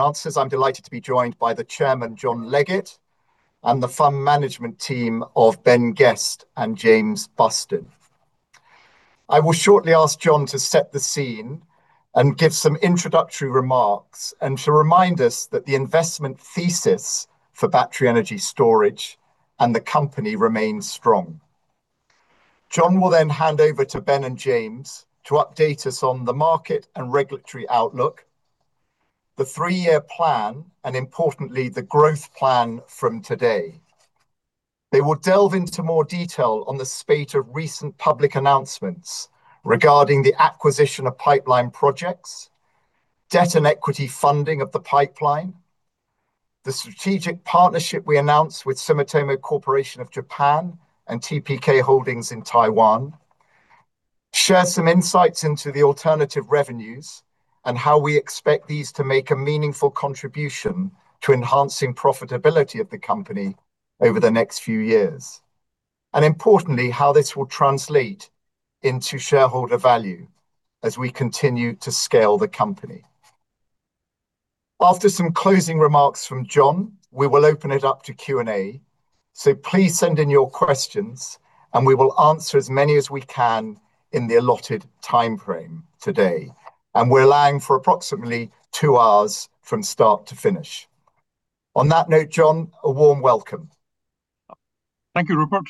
Answers. I'm delighted to be joined by the Chairman, John Leggate, and the fund management team of Ben Guest and James Bustin. I will shortly ask John to set the scene and give some introductory remarks, and to remind us that the investment thesis for battery energy storage and the company remains strong. John will then hand over to Ben and James to update us on the market and regulatory outlook, the three-year plan, and importantly, the growth plan from today. They will delve into more detail on the spate of recent public announcements regarding the acquisition of pipeline projects, debt and equity funding of the pipeline, the strategic partnership we announced with Sumitomo Corporation of Japan and TPK Holdings in Taiwan, share some insights into the alternative revenues and how we expect these to make a meaningful contribution to enhancing profitability of the company over the next few years, and importantly, how this will translate into shareholder value as we continue to scale the company. After some closing remarks from John, we will open it up to Q&A. Please send in your questions and we will answer as many as we can in the allotted timeframe today. We're allowing for approximately two hours from start to finish. On that note, John, a warm welcome. Thank you, Rupert.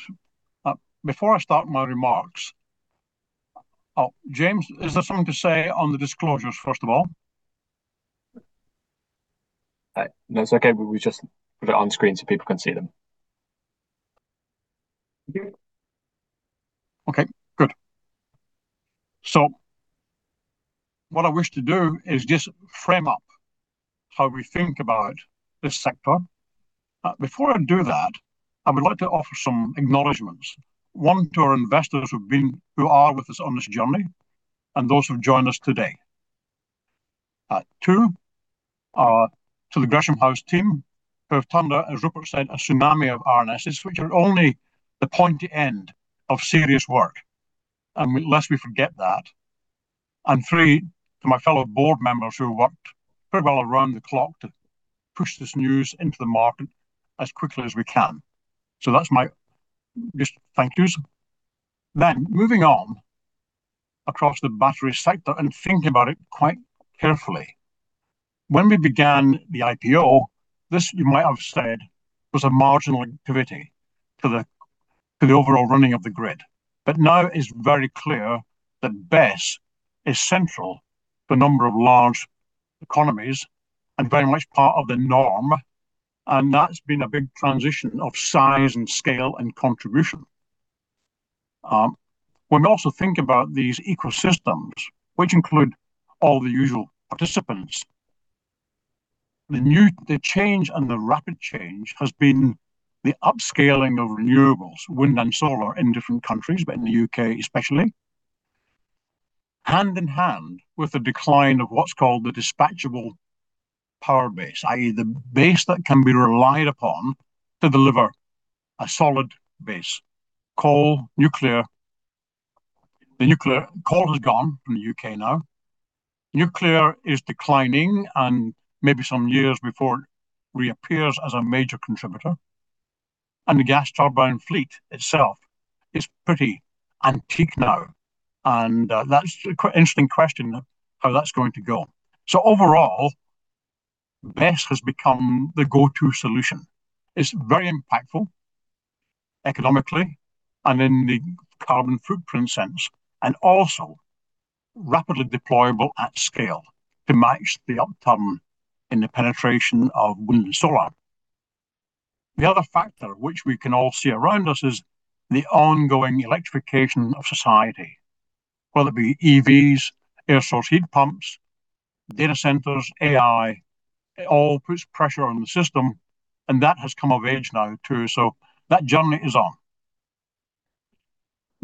Before I start my remarks, James, is there something to say on the disclosures, first of all? No, it's okay. We just put it on screen so people can see them. Good. What I wish to do is just frame up how we think about this sector. Before I do that, I would like to offer some acknowledgments. One, to our investors who are with us on this journey and those who have joined us today. Two, to the Gresham House team, who have handled, as Rupert said, a tsunami of RNSs, which are only the pointy end of serious work, and lest we forget that. Three, to my fellow board members who worked pretty well around the clock to push this news into the market as quickly as we can. That's my just thank you. Moving on across the battery sector and thinking about it quite carefully. When we began the IPO, this, you might have said, was a marginal activity to the overall running of the grid. Now it's very clear that BESS is central to a number of large economies and very much part of the norm, and that's been a big transition of size and scale and contribution. When we also think about these ecosystems, which include all the usual participants, the change and the rapid change has been the upscaling of renewables, wind and solar in different countries, but in the U.K. especially, hand-in-hand with the decline of what's called the dispatchable power base, i.e. the base that can be relied upon to deliver a solid base. Coal, nuclear. Coal has gone from the U.K. now. Nuclear is declining and maybe some years before it reappears as a major contributor, and the gas turbine fleet itself is pretty antique now, and that's an interesting question how that's going to go. Overall, BESS has become the go-to solution. It is very impactful economically and in the carbon footprint sense, also rapidly deployable at scale to match the upturn in the penetration of wind and solar. The other factor which we can all see around us is the ongoing electrification of society. Whether it be EVs, air source heat pumps, data centers, AI, it all puts pressure on the system, and that has come of age now too, so that journey is on.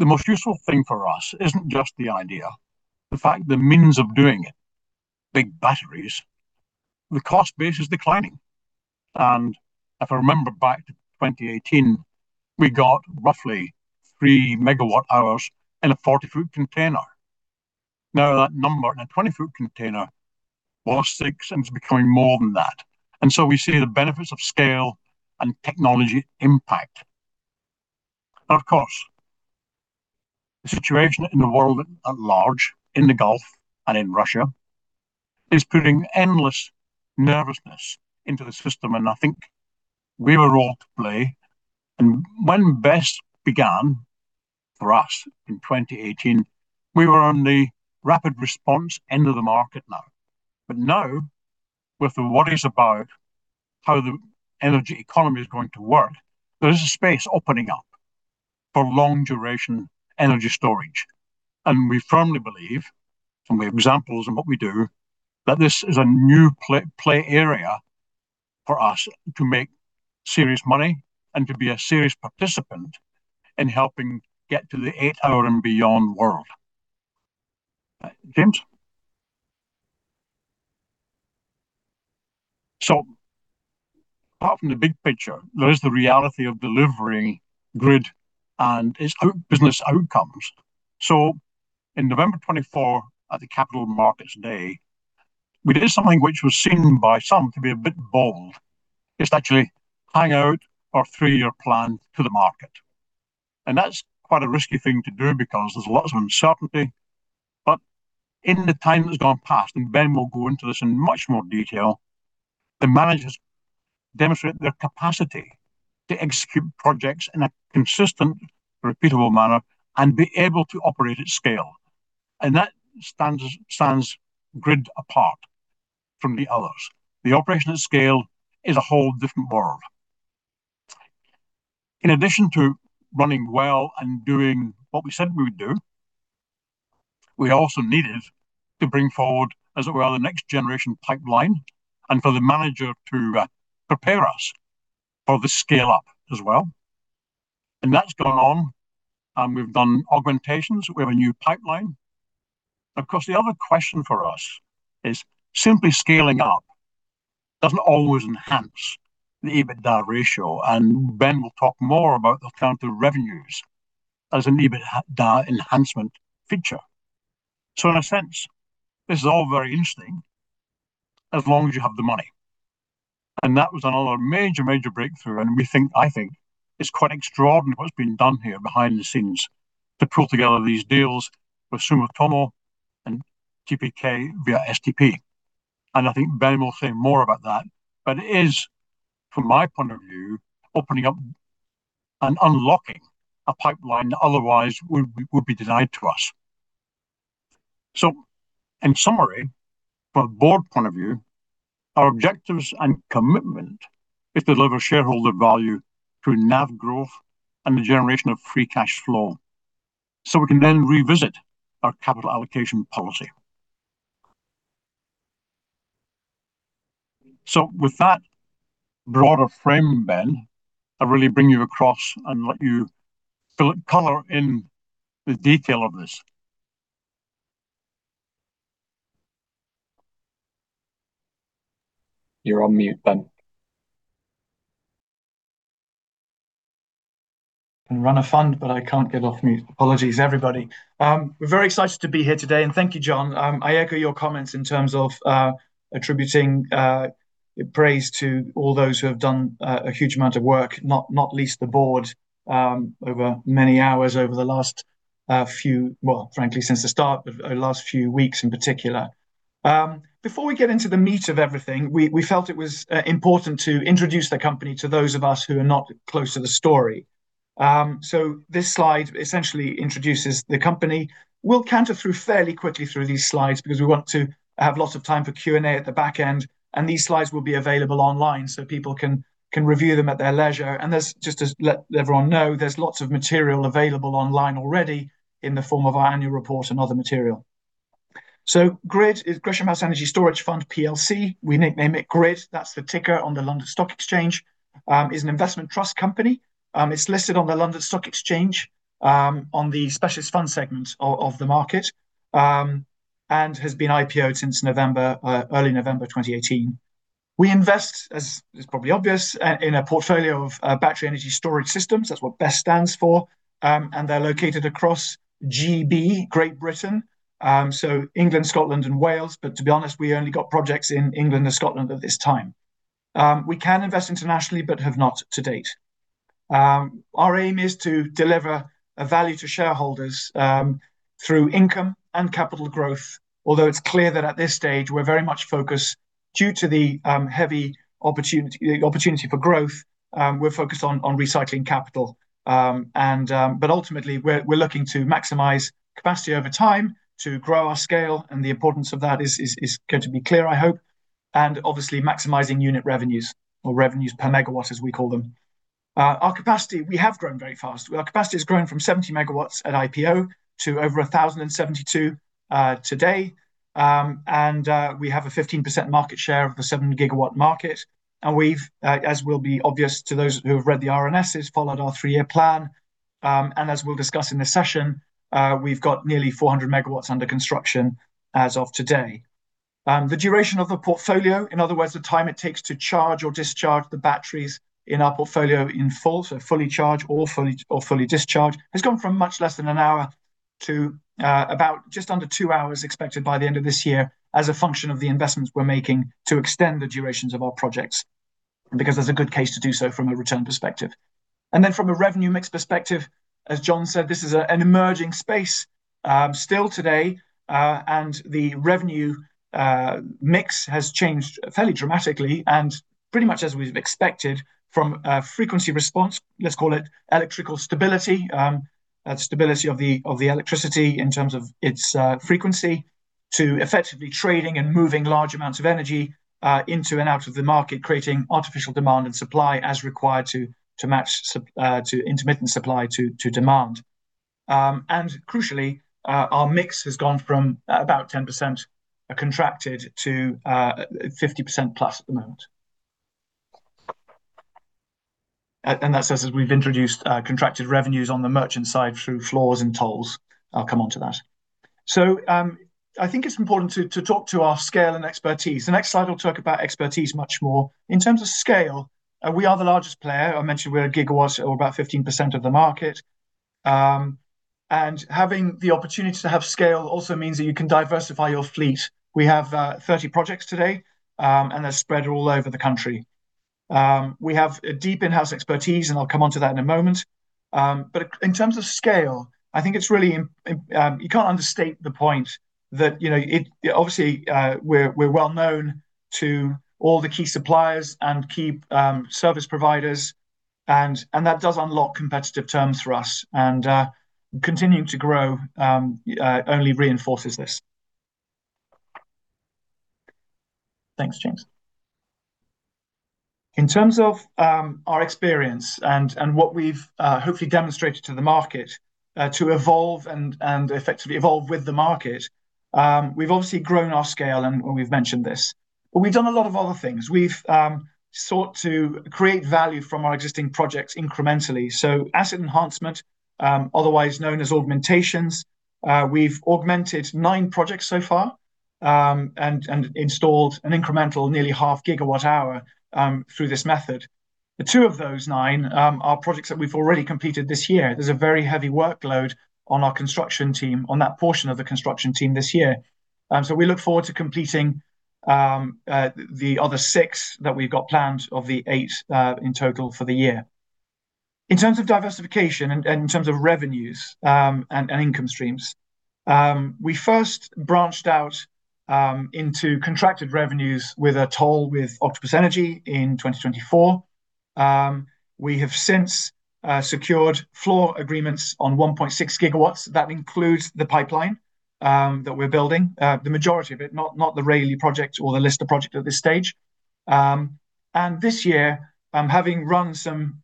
The most useful thing for us isn't just the idea. In fact, the means of doing it, big batteries, the cost base is declining. If I remember back to 2018, we got roughly 3 MWh in a 40-foot container. Now that number in a 20-foot container was six, and it is becoming more than that. We see the benefits of scale and technology impact. Of course, the situation in the world at large, in the Gulf and in Russia, is putting endless nervousness into the system, and I think we've a role to play. When BESS began for us in 2018, we were on the rapid response end of the market now. Now, with the worries about how the energy economy is going to work, there is a space opening up for long-duration energy storage. We firmly believe, from the examples of what we do, that this is a new play area for us to make serious money and to be a serious participant in helping get to the eight-hour and beyond world. James. Apart from the big picture, there is the reality of delivering GRID and its business outcomes. In November 2024 at the Capital Markets Day, we did something which was seen by some to be a bit bold, is to actually hang out our three-year plan to the market. That's quite a risky thing to do because there's lots of uncertainty. In the time that's gone past, and Ben will go into this in much more detail, the managers demonstrate their capacity to execute projects in a consistent, repeatable manner and be able to operate at scale. That stands GRID apart from the others. The operation at scale is a whole different world. In addition to running well and doing what we said we would do, we also needed to bring forward, as it were, the next generation pipeline and for the manager to prepare us for the scale-up as well. That's gone on, and we've done augmentations. We have a new pipeline. Of course, the other question for us is simply scaling up doesn't always enhance the EBITDA ratio, and Ben will talk more about the counter revenues as an EBITDA enhancement feature. In a sense, this is all very interesting as long as you have the money. That was another major breakthrough, and we think, I think, it's quite extraordinary what's been done here behind the scenes to pull together these deals with Sumitomo and TPK via STP. I think Ben will say more about that. It is, from my point of view, opening up and unlocking a pipeline that otherwise would be denied to us. In summary, from a board point of view, our objectives and commitment is to deliver shareholder value through NAV growth and the generation of free cash flow, so we can then revisit our capital allocation policy. With that broader frame, Ben, I really bring you across and let you color in the detail of this. You're on mute, Ben. I can run a fund, but I can't get off mute. Apologies, everybody. We're very excited to be here today. Thank you, John Leggate. I echo your comments in terms of attributing praise to all those who have done a huge amount of work, not least the board, over many hours over the last few, well, frankly, since the start, last few weeks in particular. Before we get into the meat of everything, we felt it was important to introduce the company to those of us who are not close to the story. This slide essentially introduces the company. We'll canter through fairly quickly through these slides because we want to have lots of time for Q&A at the back end. These slides will be available online so people can review them at their leisure. Just to let everyone know, there's lots of material available online already in the form of our annual report and other material. GRID is Gresham House Energy Storage Fund plc. We nickname it GRID. That's the ticker on the London Stock Exchange. It's an investment trust company. It's listed on the London Stock Exchange, on the Specialist Fund Segment of the market, and has been IPO since early November 2018. We invest, as is probably obvious, in a portfolio of battery energy storage systems. That's what BESS stands for, and they're located across GB, Great Britain, so England, Scotland, and Wales. To be honest, we only got projects in England and Scotland at this time. We can invest internationally, but have not to date. Our aim is to deliver a value to shareholders through income and capital growth. Although it's clear that at this stage we're very much focused, due to the heavy opportunity for growth, we're focused on recycling capital. Ultimately, we're looking to maximize capacity over time to grow our scale, and the importance of that is going to be clear, I hope. Obviously, maximizing unit revenues or revenues per MW, as we call them. Our capacity, we have grown very fast. Our capacity has grown from 70 MW at IPO to over 1,072 today. We have a 15% market share of the 70 GW market. We've, as will be obvious to those who have read the RNSs, followed our three-year plan. As we'll discuss in this session, we've got nearly 400 MW under construction as of today. The duration of the portfolio, in other words, the time it takes to charge or discharge the batteries in our portfolio in full, so fully charged or fully discharged, has gone from much less than an hour to about just under two hours expected by the end of this year as a function of the investments we're making to extend the durations of our projects, because there's a good case to do so from a return perspective. From a revenue mix perspective, as John said, this is an emerging space still today. The revenue mix has changed fairly dramatically and pretty much as we've expected from frequency response, let's call it electrical stability of the electricity in terms of its frequency, to effectively trading and moving large amounts of energy into and out of the market, creating artificial demand and supply as required to match to intermittent supply to demand. Crucially, our mix has gone from about 10% contracted to 50% plus at the moment. That says that we've introduced contracted revenues on the merchant side through floors and tolls. I'll come onto that. I think it's important to talk to our scale and expertise. The next slide will talk about expertise much more. In terms of scale, we are the largest player. I mentioned we're a gigawatt, or about 15% of the market. Having the opportunity to have scale also means that you can diversify your fleet. We have 30 projects today, and they're spread all over the country. We have a deep in-house expertise, and I'll come onto that in a moment. In terms of scale, I think you can't understate the point that, obviously, we're well-known to all the key suppliers and key service providers, and that does unlock competitive terms for us. Continuing to grow only reinforces this. Thanks, James. In terms of our experience and what we've hopefully demonstrated to the market to effectively evolve with the market, we've obviously grown our scale, and we've mentioned this. We've done a lot of other things. We've sought to create value from our existing projects incrementally. Asset enhancement, otherwise known as augmentations. We've augmented nine projects so far, and installed an incremental nearly half gigawatt hour through this method. Two of those nine are projects that we've already completed this year. There's a very heavy workload on our construction team, on that portion of the construction team this year. We look forward to completing the other six that we've got planned of the eight in total for the year. In terms of diversification and in terms of revenues and income streams, we first branched out into contracted revenues with a toll with Octopus Energy in 2024. We have since secured floor agreements on 1.6 GW. That includes the pipeline that we're building, the majority of it, not the Rayleigh project or the Lister project at this stage. This year, having run some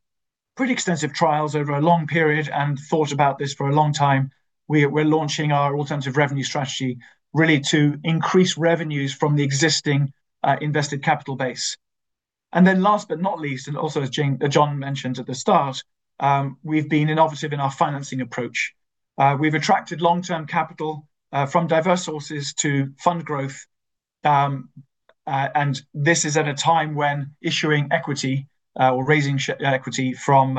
pretty extensive trials over a long period and thought about this for a long time, we're launching our alternative revenue strategy really to increase revenues from the existing invested capital base. Last but not least, and also as John mentioned at the start, we've been innovative in our financing approach. We've attracted long-term capital from diverse sources to fund growth, and this is at a time when issuing equity or raising equity from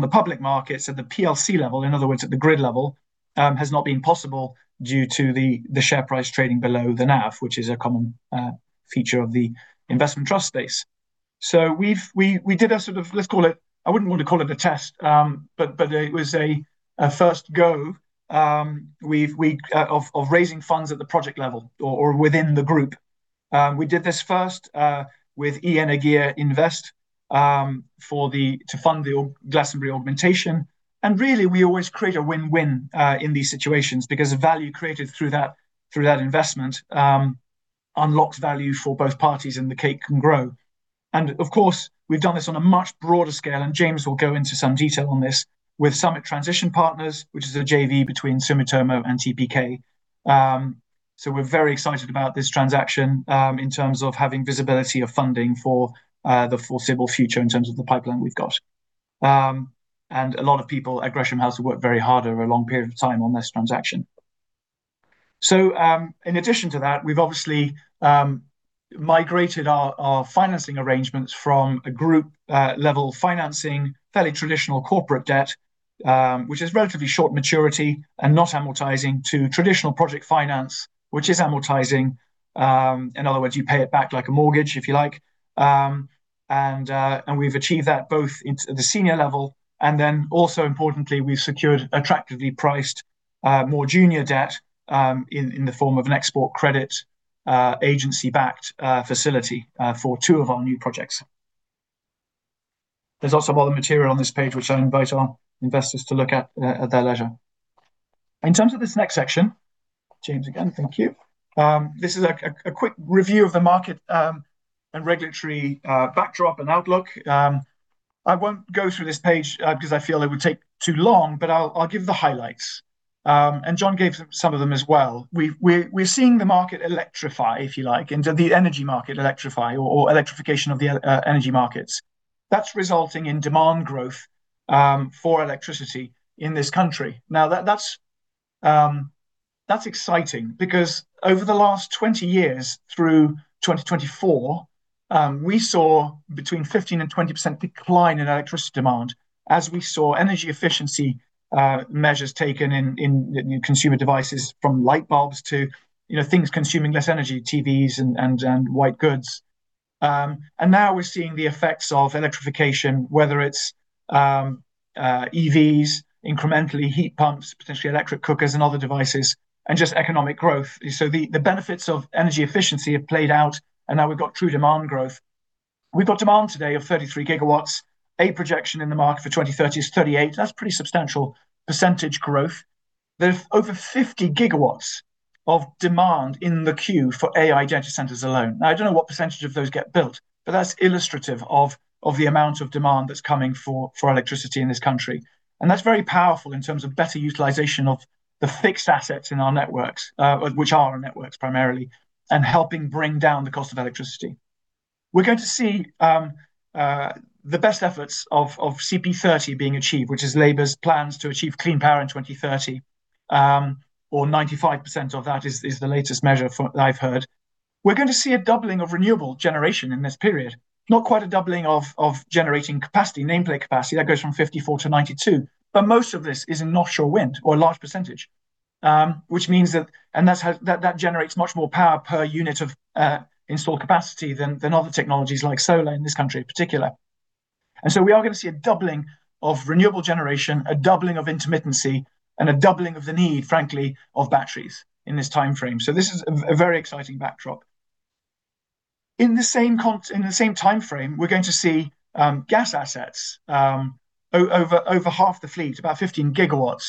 the public markets at the PLC level, in other words, at the GRID level, has not been possible due to the share price trading below the NAV, which is a common feature of the investment trust space. We did a sort of, let's call it, I wouldn't want to call it a test, but it was a first go of raising funds at the project level or within the group. We did this first with Energea Invest to fund the Glassenbury augmentation. Really, we always create a win-win in these situations because the value created through that investment unlocks value for both parties and the cake can grow. Of course, we've done this on a much broader scale, and James will go into some detail on this, with Summit Transition Partners, which is a JV between Sumitomo and TPK. We're very excited about this transaction in terms of having visibility of funding for the foreseeable future in terms of the pipeline we've got. A lot of people at Gresham House have worked very hard over a long period of time on this transaction. In addition to that, we've obviously migrated our financing arrangements from a group level financing, fairly traditional corporate debt, which is relatively short maturity and not amortizing, to traditional project finance, which is amortizing. In other words, you pay it back like a mortgage, if you like. We've achieved that both at the senior level and then also importantly, we've secured attractively priced more junior debt in the form of an export credit agency-backed facility for two of our new projects. There's also other material on this page which I invite our investors to look at their leisure. In terms of this next section, James again, thank you. This is a quick review of the market and regulatory backdrop and outlook. I won't go through this page, because I feel it would take too long, but I'll give the highlights. John gave some of them as well. We're seeing the market electrify, if you like, the energy market electrify or electrification of the energy markets. That's resulting in demand growth for electricity in this country. Now, that's exciting because over the last 20 years, through 2024, we saw between 15%-20% decline in electricity demand as we saw energy efficiency measures taken in consumer devices from light bulbs to things consuming less energy, TVs and white goods. Now we're seeing the effects of electrification, whether it's EVs, incrementally heat pumps, potentially electric cookers and other devices, and just economic growth. The benefits of energy efficiency have played out, and now we've got true demand growth. We've got demand today of 33 GW. A projection in the market for 2030 is 38%. That's pretty substantial percentage growth. There's over 50 GW of demand in the queue for AI data centers alone. I don't know what percentage of those get built, but that's illustrative of the amount of demand that's coming for electricity in this country. That's very powerful in terms of better utilization of the fixed assets in our networks, which are our networks primarily, and helping bring down the cost of electricity. We're going to see the best efforts of CP2030 being achieved, which is Labour's plans to achieve clean power in 2030, or 95% of that is the latest measure that I've heard. We're going to see a doubling of renewable generation in this period, not quite a doubling of generating capacity, nameplate capacity. That goes from 54 GW to 92 GW. Most of this is in offshore wind or a large percentage, which means that generates much more power per unit of installed capacity than other technologies like solar in this country in particular. We are going to see a doubling of renewable generation, a doubling of intermittency, and a doubling of the need, frankly, of batteries in this timeframe. This is a very exciting backdrop. In the same timeframe, we're going to see gas assets, over half the fleet, about 15 GW,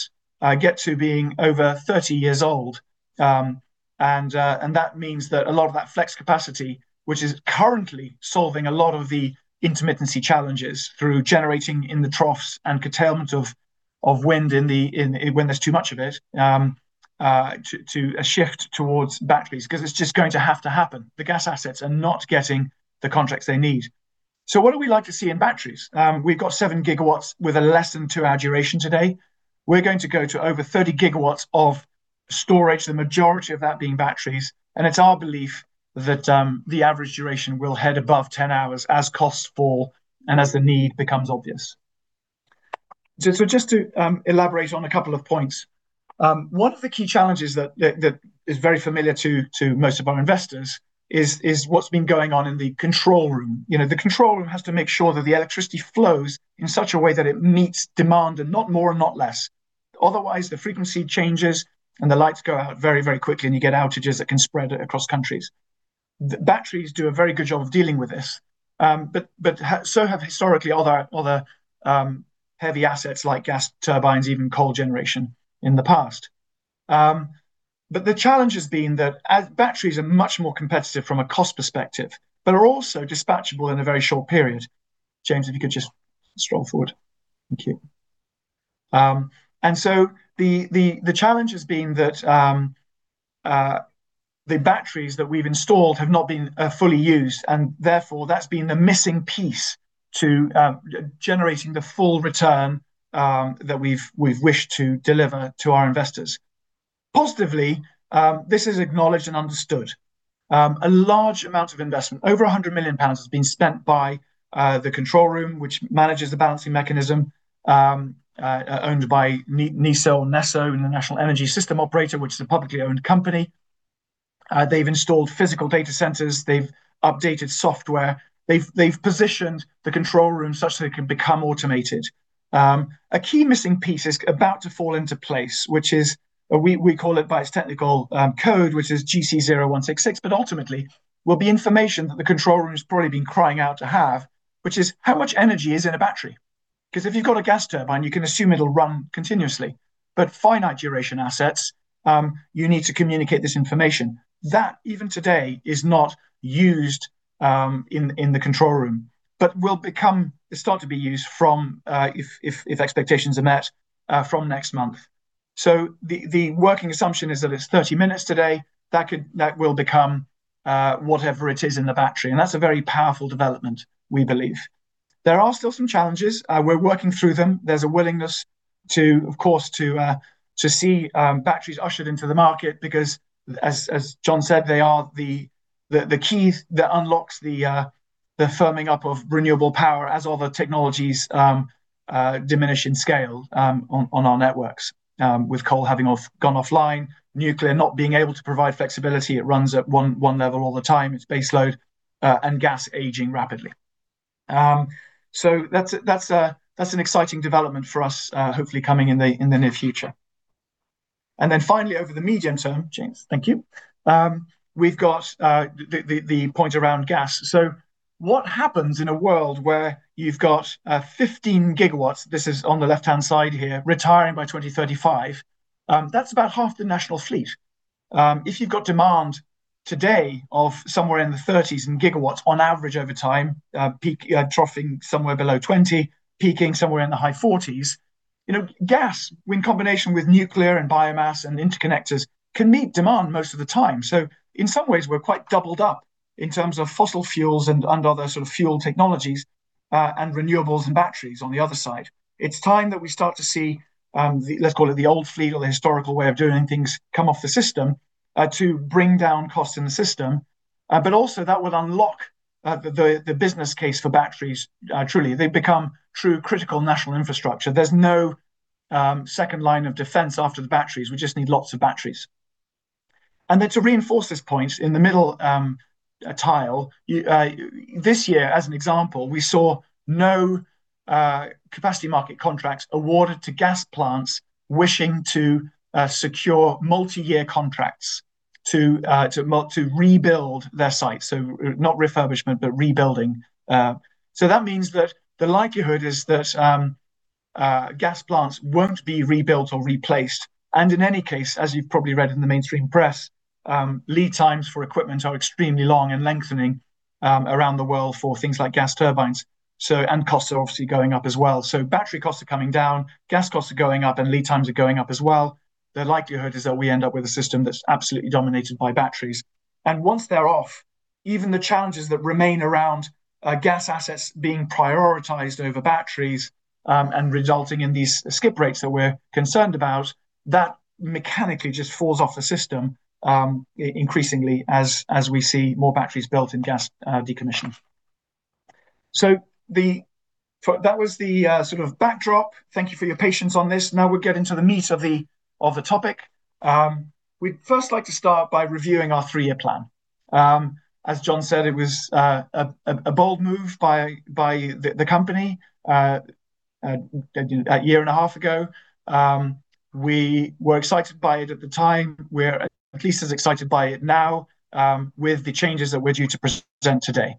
get to being over 30 years old. That means that a lot of that flex capacity, which is currently solving a lot of the intermittency challenges through generating in the troughs and curtailment of wind when there's too much of it, to a shift towards batteries, because it's just going to have to happen. The gas assets are not getting the contracts they need. What do we like to see in batteries? We've got 7 GW with a less than two-hour duration today. We're going to go to over 30 GW of storage, the majority of that being batteries. It's our belief that the average duration will head above 10 hours as costs fall and as the need becomes obvious. Just to elaborate on a couple of points. One of the key challenges that is very familiar to most of our investors is what's been going on in the control room. The control room has to make sure that the electricity flows in such a way that it meets demand, and not more and not less. Otherwise, the frequency changes and the lights go out very, very quickly and you get outages that can spread across countries. Batteries do a very good job of dealing with this, but so have historically other heavy assets like gas turbines, even coal generation in the past. The challenge has been that as batteries are much more competitive from a cost perspective, but are also dispatchable in a very short period. James, if you could just scroll forward. Thank you. The challenge has been that the batteries that we've installed have not been fully used, and therefore, that's been the missing piece to generating the full return that we've wished to deliver to our investors. Positively, this is acknowledged and understood. A large amount of investment, over 100 million pounds, has been spent by the control room, which manages the Balancing Mechanism, owned by NESO, the National Energy System Operator, which is a publicly owned company. They've installed physical data centers, they've updated software, they've positioned the control room such that it can become automated. A key missing piece is about to fall into place, which is, we call it by its technical code, which is GC0166, but ultimately, will be information that the control room's probably been crying out to have, which is how much energy is in a battery. If you've got a gas turbine, you can assume it'll run continuously. Finite duration assets, you need to communicate this information. That, even today, is not used in the control room, but will start to be used, if expectations are met, from next month. The working assumption is that it's 30 minutes today. That will become whatever it is in the battery, and that's a very powerful development, we believe. There are still some challenges. We're working through them. There's a willingness, of course, to see batteries ushered into the market because as John said, they are the key that unlocks the firming up of renewable power as other technologies diminish in scale on our networks, with coal having gone offline, nuclear not being able to provide flexibility, it runs at one level all the time, it's base load, and gas aging rapidly. That's an exciting development for us, hopefully coming in the near future. Finally, over the medium term, James, thank you, we've got the point around gas. What happens in a world where you've got 15 GW, this is on the left-hand side here, retiring by 2035? That's about half the national fleet. If you've got demand today of somewhere in the 30s in GW on average over time, troughing somewhere below 20, peaking somewhere in the high 40s, gas, in combination with nuclear and biomass and interconnectors, can meet demand most of the time. In some ways, we're quite doubled up in terms of fossil fuels and other sort of fuel technologies, and renewables and batteries on the other side. It's time that we start to see, let's call it the old fleet or the historical way of doing things, come off the system to bring down costs in the system. Also that would unlock the business case for batteries, truly. They become true critical national infrastructure. There's no second line of defense after the batteries. We just need lots of batteries. To reinforce this point, in the middle tile, this year as an example, we saw no Capacity Market contracts awarded to gas plants wishing to secure multi-year contracts to rebuild their sites. Not refurbishment, but rebuilding. That means that the likelihood is that gas plants won't be rebuilt or replaced, and in any case, as you've probably read in the mainstream press, lead times for equipment are extremely long and lengthening around the world for things like gas turbines. Costs are obviously going up as well. Battery costs are coming down, gas costs are going up, and lead times are going up as well. The likelihood is that we end up with a system that's absolutely dominated by batteries. The challenges that remain around gas assets being prioritized over batteries, and resulting in these skip rates that we're concerned about, that mechanically just falls off the system increasingly as we see more batteries built and gas decommissioned. That was the sort of backdrop. Thank you for your patience on this. Now we'll get into the meat of the topic. We'd first like to start by reviewing our three-year plan. As John said, it was a bold move by the company a year and a half ago. We were excited by it at the time. We're at least as excited by it now with the changes that we're due to present today.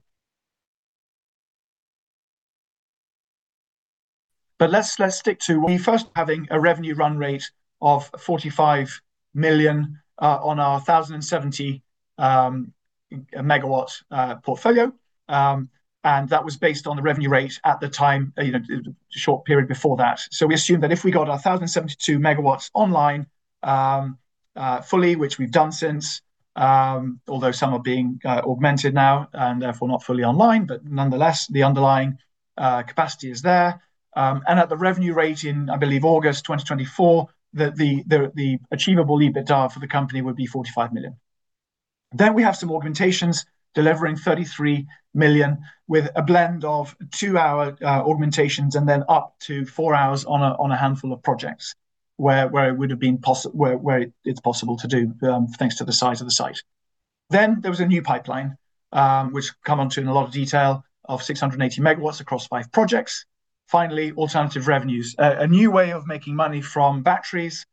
Let's stick to we first having a revenue run rate of 45 million on our 1,070 MW portfolio. That was based on the revenue rate at the time, the short period before that. We assumed that if we got our 1,072 MW online fully, which we've done since, although some are being augmented now and therefore not fully online, but nonetheless, the underlying capacity is there. At the revenue rate in, I believe, August 2024, the achievable EBITDA for the company would be 45 million. We have some augmentations delivering 33 million with a blend of two-hour augmentations, and then up to four hours on a handful of projects, where it's possible to do, thanks to the size of the site. Finally, alternative revenues. A new way of making money from batteries.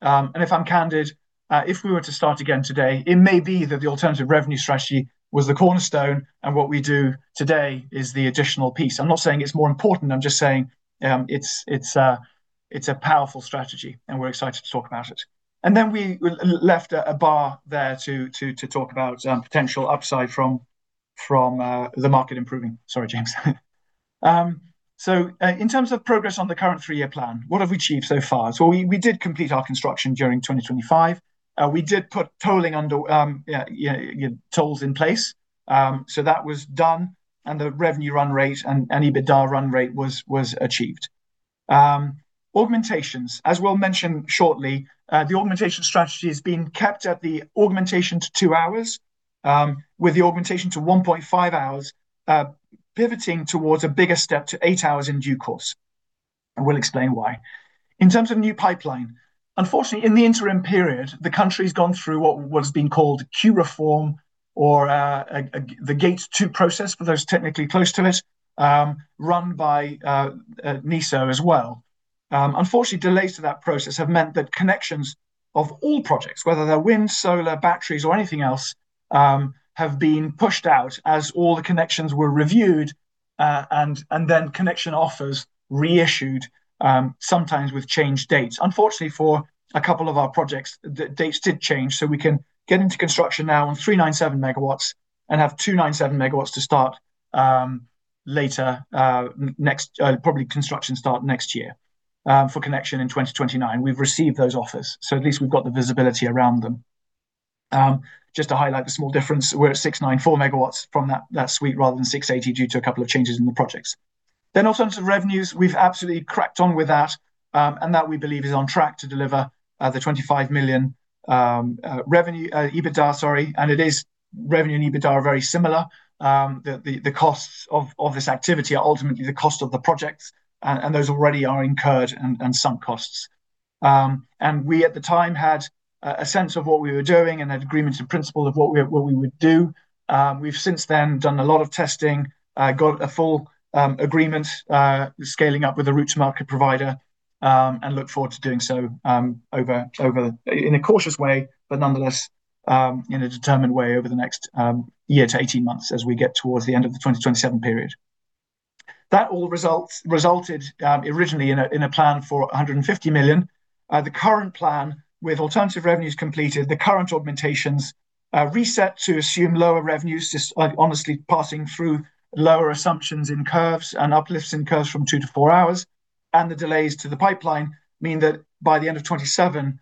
If I'm candid, if we were to start again today, it may be that the alternative revenue strategy was the cornerstone, and what we do today is the additional piece. I'm not saying it's more important, I'm just saying it's a powerful strategy, and we're excited to talk about it. Then we left a bar there to talk about potential upside from the market improving. Sorry, James. In terms of progress on the current three-year plan, what have we achieved so far? We did complete our construction during 2025. We did put tolls in place. That was done, and the revenue run rate and EBITDA run rate was achieved. Augmentations. As we'll mention shortly, the augmentation strategy has been capped at the augmentation to two hours, with the augmentation to 1.5 hours pivoting towards a bigger step to eight hours in due course, and we'll explain why. In terms of new pipeline, unfortunately, in the interim period, the country's gone through what has been called queue reform or the Gate 2 process for those technically close to it, run by NESO as well. Unfortunately, delays to that process have meant that connections of all projects, whether they're wind, solar, batteries, or anything else, have been pushed out as all the connections were reviewed, and then connection offers reissued, sometimes with changed dates. Unfortunately for a couple of our projects, the dates did change, we can get into construction now on three 97 MW and have two 97 MW to start later, probably construction start next year, for connection in 2029. We've received those offers, at least we've got the visibility around them. Just to highlight the small difference, we're at 694 MW from that suite rather than 680 due to a couple of changes in the projects. Alternative revenues, we've absolutely cracked on with that, and that we believe is on track to deliver the 25 million revenue, EBITDA, sorry, and it is revenue and EBITDA are very similar. The costs of this activity are ultimately the cost of the projects, those already are incurred and sunk costs. We, at the time, had a sense of what we were doing and had agreements in principle of what we would do. We've since then done a lot of testing, got a full agreement, scaling up with a roots market provider, and look forward to doing so in a cautious way, but nonetheless, in a determined way over the next year to 18 months as we get towards the end of the 2027 period. That all resulted originally in a plan for 150 million. The current plan with alternative revenues completed, the current augmentations are reset to assume lower revenues, just honestly passing through lower assumptions in curves and uplifts in curves from two to four hours, and the delays to the pipeline mean that by the end of 2027,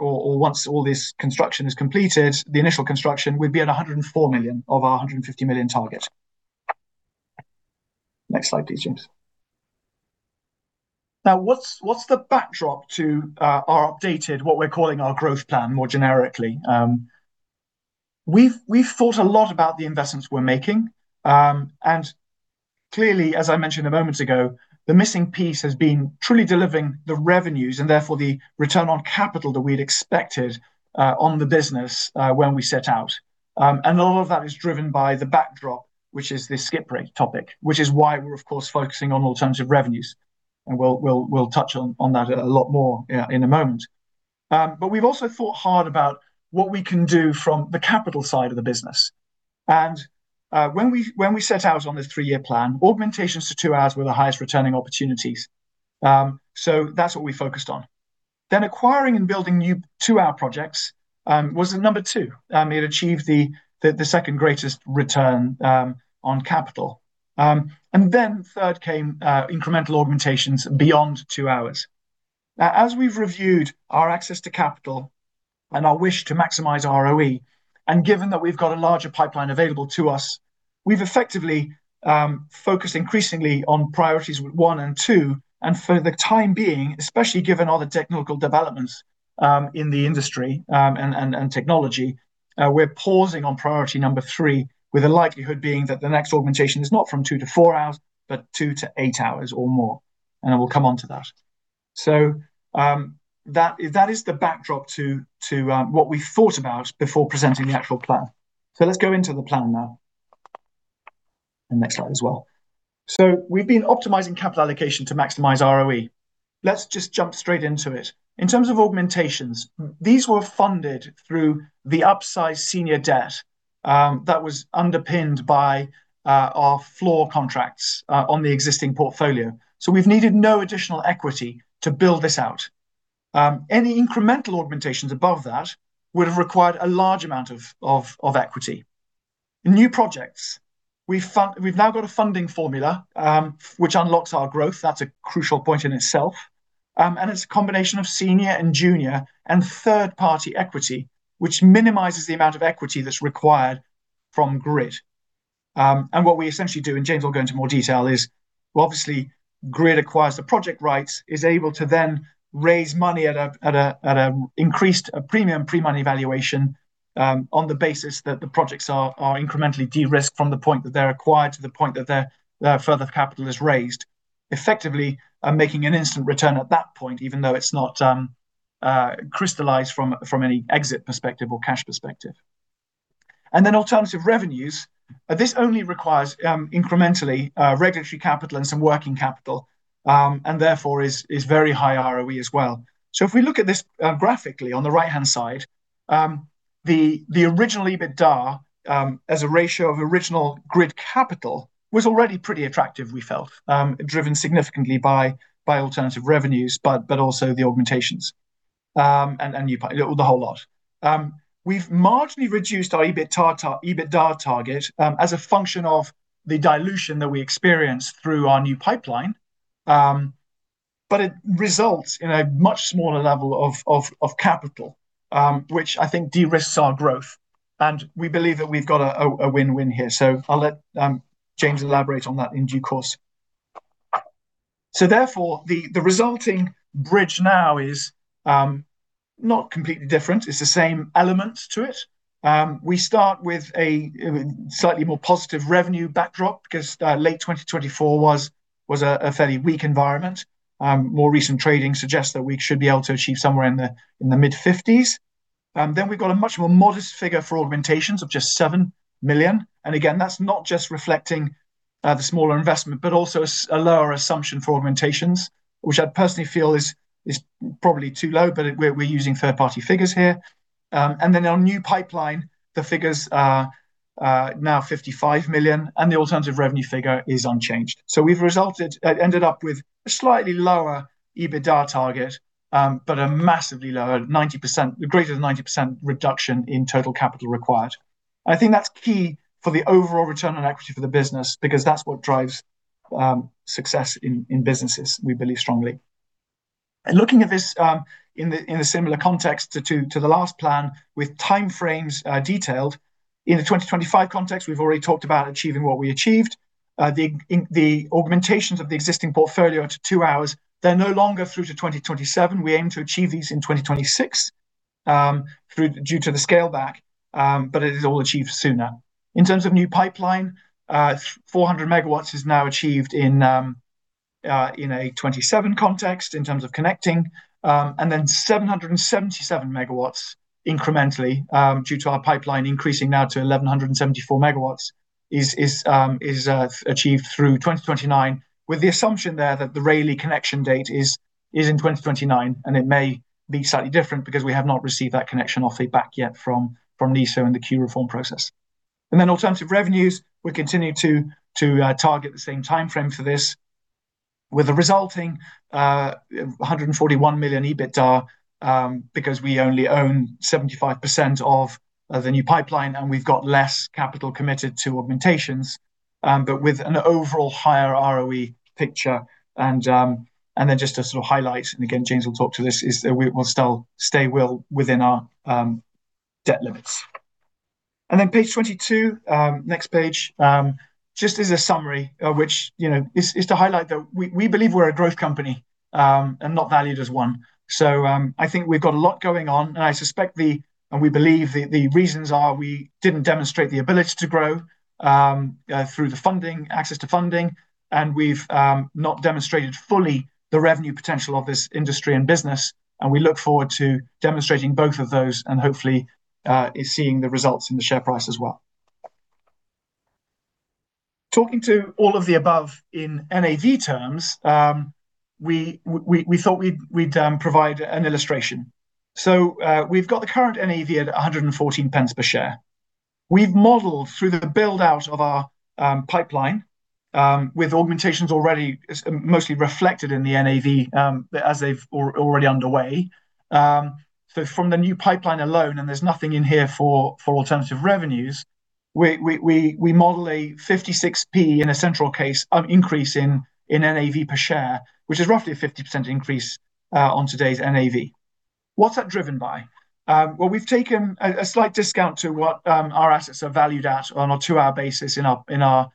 or once all this construction is completed, the initial construction, we'd be at 104 million of our 150 million target. Next slide, please, James. Now, what's the backdrop to our updated, what we're calling our growth plan, more generically? We've thought a lot about the investments we're making, and clearly, as I mentioned a moment ago, the missing piece has been truly delivering the revenues and therefore the return on capital that we'd expected on the business when we set out. A lot of that is driven by the backdrop, which is this skip rate topic, which is why we're of course focusing on alternative revenues, and we'll touch on that a lot more in a moment. We've also thought hard about what we can do from the capital side of the business. When we set out on this three-year plan, augmentations to two hours were the highest returning opportunities. That's what we focused on. Acquiring and building new two-hour projects was at number two. It achieved the second greatest return on capital. Third came incremental augmentations beyond two hours. As we've reviewed our access to capital and our wish to maximize ROE, and given that we've got a larger pipeline available to us, we've effectively focused increasingly on priorities one and two, and for the time being, especially given all the technical developments in the industry and technology, we're pausing on priority number three with the likelihood being that the next augmentation is not from two to four hours, but two to eight hours or more, and I will come onto that. That is the backdrop to what we thought about before presenting the actual plan. Let's go into the plan now. The next slide as well. We've been optimizing capital allocation to maximize ROE. Let's just jump straight into it. In terms of augmentations, these were funded through the upsize senior debt that was underpinned by our floor contracts on the existing portfolio. We've needed no additional equity to build this out. Any incremental augmentations above that would've required a large amount of equity. New projects, we've now got a funding formula, which unlocks our growth. That's a crucial point in itself. It's a combination of senior and junior and third-party equity, which minimizes the amount of equity that's required from Grid. What we essentially do, and James will go into more detail, is obviously Grid acquires the project rights, is able to then raise money at an increased premium pre-money valuation, on the basis that the projects are incrementally de-risked from the point that they're acquired to the point that their further capital is raised, effectively making an instant return at that point, even though it's not crystallized from any exit perspective or cash perspective. Alternative revenues, this only requires, incrementally, regulatory capital and some working capital, and therefore is very high ROE as well. If we look at this graphically on the right-hand side, the original EBITDA, as a ratio of original GRID capital, was already pretty attractive, we felt, driven significantly by alternative revenues, but also the augmentations, the whole lot. We've marginally reduced our EBITDA target as a function of the dilution that we experience through our new pipeline. It results in a much smaller level of capital, which I think de-risks our growth, and we believe that we've got a win-win here. I'll let James elaborate on that in due course. Therefore, the resulting bridge now is not completely different. It's the same elements to it. We start with a slightly more positive revenue backdrop because late 2024 was a fairly weak environment. More recent trading suggests that we should be able to achieve somewhere in the mid-50s. We've got a much more modest figure for augmentations of just 7 million. Again, that's not just reflecting the smaller investment, but also a lower assumption for augmentations, which I personally feel is probably too low, but we're using third-party figures here. Our new pipeline, the figures are now 55 million, the alternative revenue figure is unchanged. We've ended up with a slightly lower EBITDA target, but a massively lower, 90%, greater than 90% reduction in total capital required. I think that's key for the overall return on equity for the business because that's what drives success in businesses, we believe strongly. Looking at this in a similar context to the last plan with timeframes detailed, in the 2025 context, we've already talked about achieving what we achieved. The augmentations of the existing portfolio to 2 hours, they're no longer through to 2027. We aim to achieve these in 2026 due to the scale back, but it is all achieved sooner. In terms of new pipeline, 400 MW is now achieved in a 2027 context in terms of connecting. 777 MW incrementally, due to our pipeline increasing now to 1,174 MW is achieved through 2029 with the assumption there that the Rayleigh connection date is in 2029, and it may be slightly different because we have not received that connection or feedback yet from NESO in the queue reform process. Alternative revenues, we continue to target the same timeframe for this with a resulting 141 million EBITDA, because we only own 75% of the new pipeline, and we've got less capital committed to augmentations, but with an overall higher ROE picture and then just to sort of highlight, and again, James will talk to this, is that we will still stay well within our debt limits. Page 22, next page, just as a summary of which is to highlight that we believe we're a growth company, and not valued as one. I think we've got a lot going on, and I suspect, and we believe the reasons are we didn't demonstrate the ability to grow through the funding, access to funding, and we've not demonstrated fully the revenue potential of this industry and business, and we look forward to demonstrating both of those and hopefully, seeing the results in the share price as well. Talking to all of the above in NAV terms, we thought we'd provide an illustration. We've got the current NAV at 1.14 per share. We've modeled through the build-out of our pipeline, with augmentations already mostly reflected in the NAV, as they're already underway. From the new pipeline alone, and there's nothing in here for alternative revenues. We model a 0.56 in a central case, increase in NAV per share, which is roughly a 50% increase on today's NAV. What's that driven by? Well, we've taken a slight discount to what our assets are valued at on a two-hour basis in our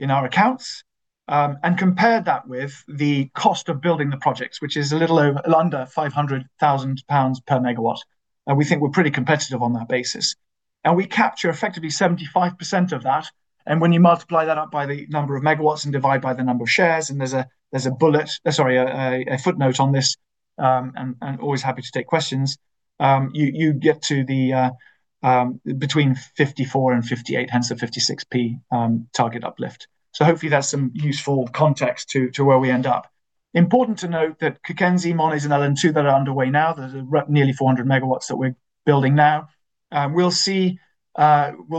accounts, and compared that with the cost of building the projects, which is a little under 500,000 pounds/MW. We think we're pretty competitive on that basis. We capture effectively 75% of that, and when you multiply that up by the number of megawatts and divide by the number of shares, and there's a footnote on this, and always happy to take questions, you get to between 54 and 58, hence the 56 P target uplift. Hopefully, that's some useful context to where we end up. Important to note that Cockenzie, Monet's, and Elland 2 that are underway now, there's nearly 400 MW that we're building now. We'll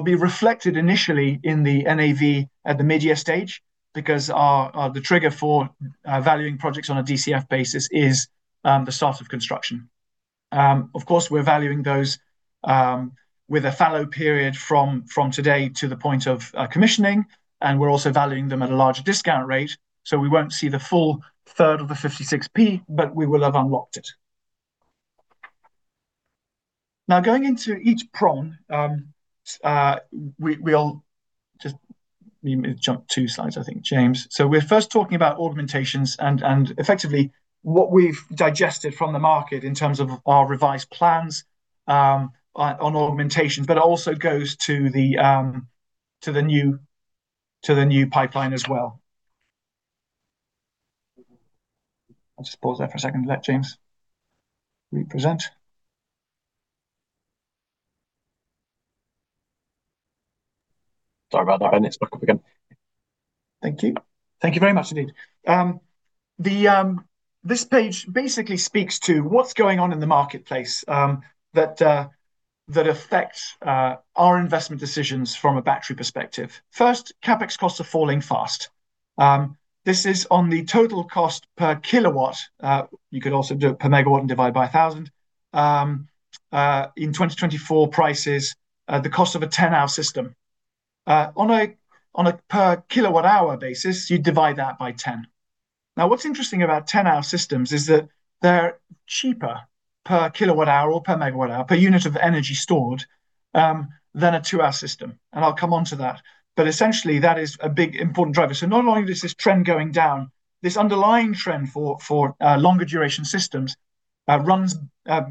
be reflected initially in the NAV at the mid-year stage because the trigger for valuing projects on a DCF basis is the start of construction. Of course, we're valuing those with a fallow period from today to the point of commissioning, and we're also valuing them at a larger discount rate, so we won't see the full third of the 0.56, but we will have unlocked it. Going into each prong, you may jump two slides, I think, James. We're first talking about augmentations and effectively what we've digested from the market in terms of our revised plans on augmentations, but it also goes to the new pipeline as well. I'll just pause there for a second to let James represent. Sorry about that, and it's back up again. Thank you. Thank you very much indeed. This page basically speaks to what's going on in the marketplace that affects our investment decisions from a battery perspective. First, CapEx costs are falling fast. This is on the total cost per kilowatt. You could also do it per megawatt and divide by 1,000. In 2024 prices, the cost of a 10-hour system. On a per kilowatt-hour basis, you'd divide that by 10. What's interesting about 10-hour systems is that they're cheaper per kilowatt-hour or per megawatt-hour, per unit of energy stored, than a two-hour system. I'll come onto that. Essentially, that is a big important driver. Not only is this trend going down, this underlying trend for longer duration systems runs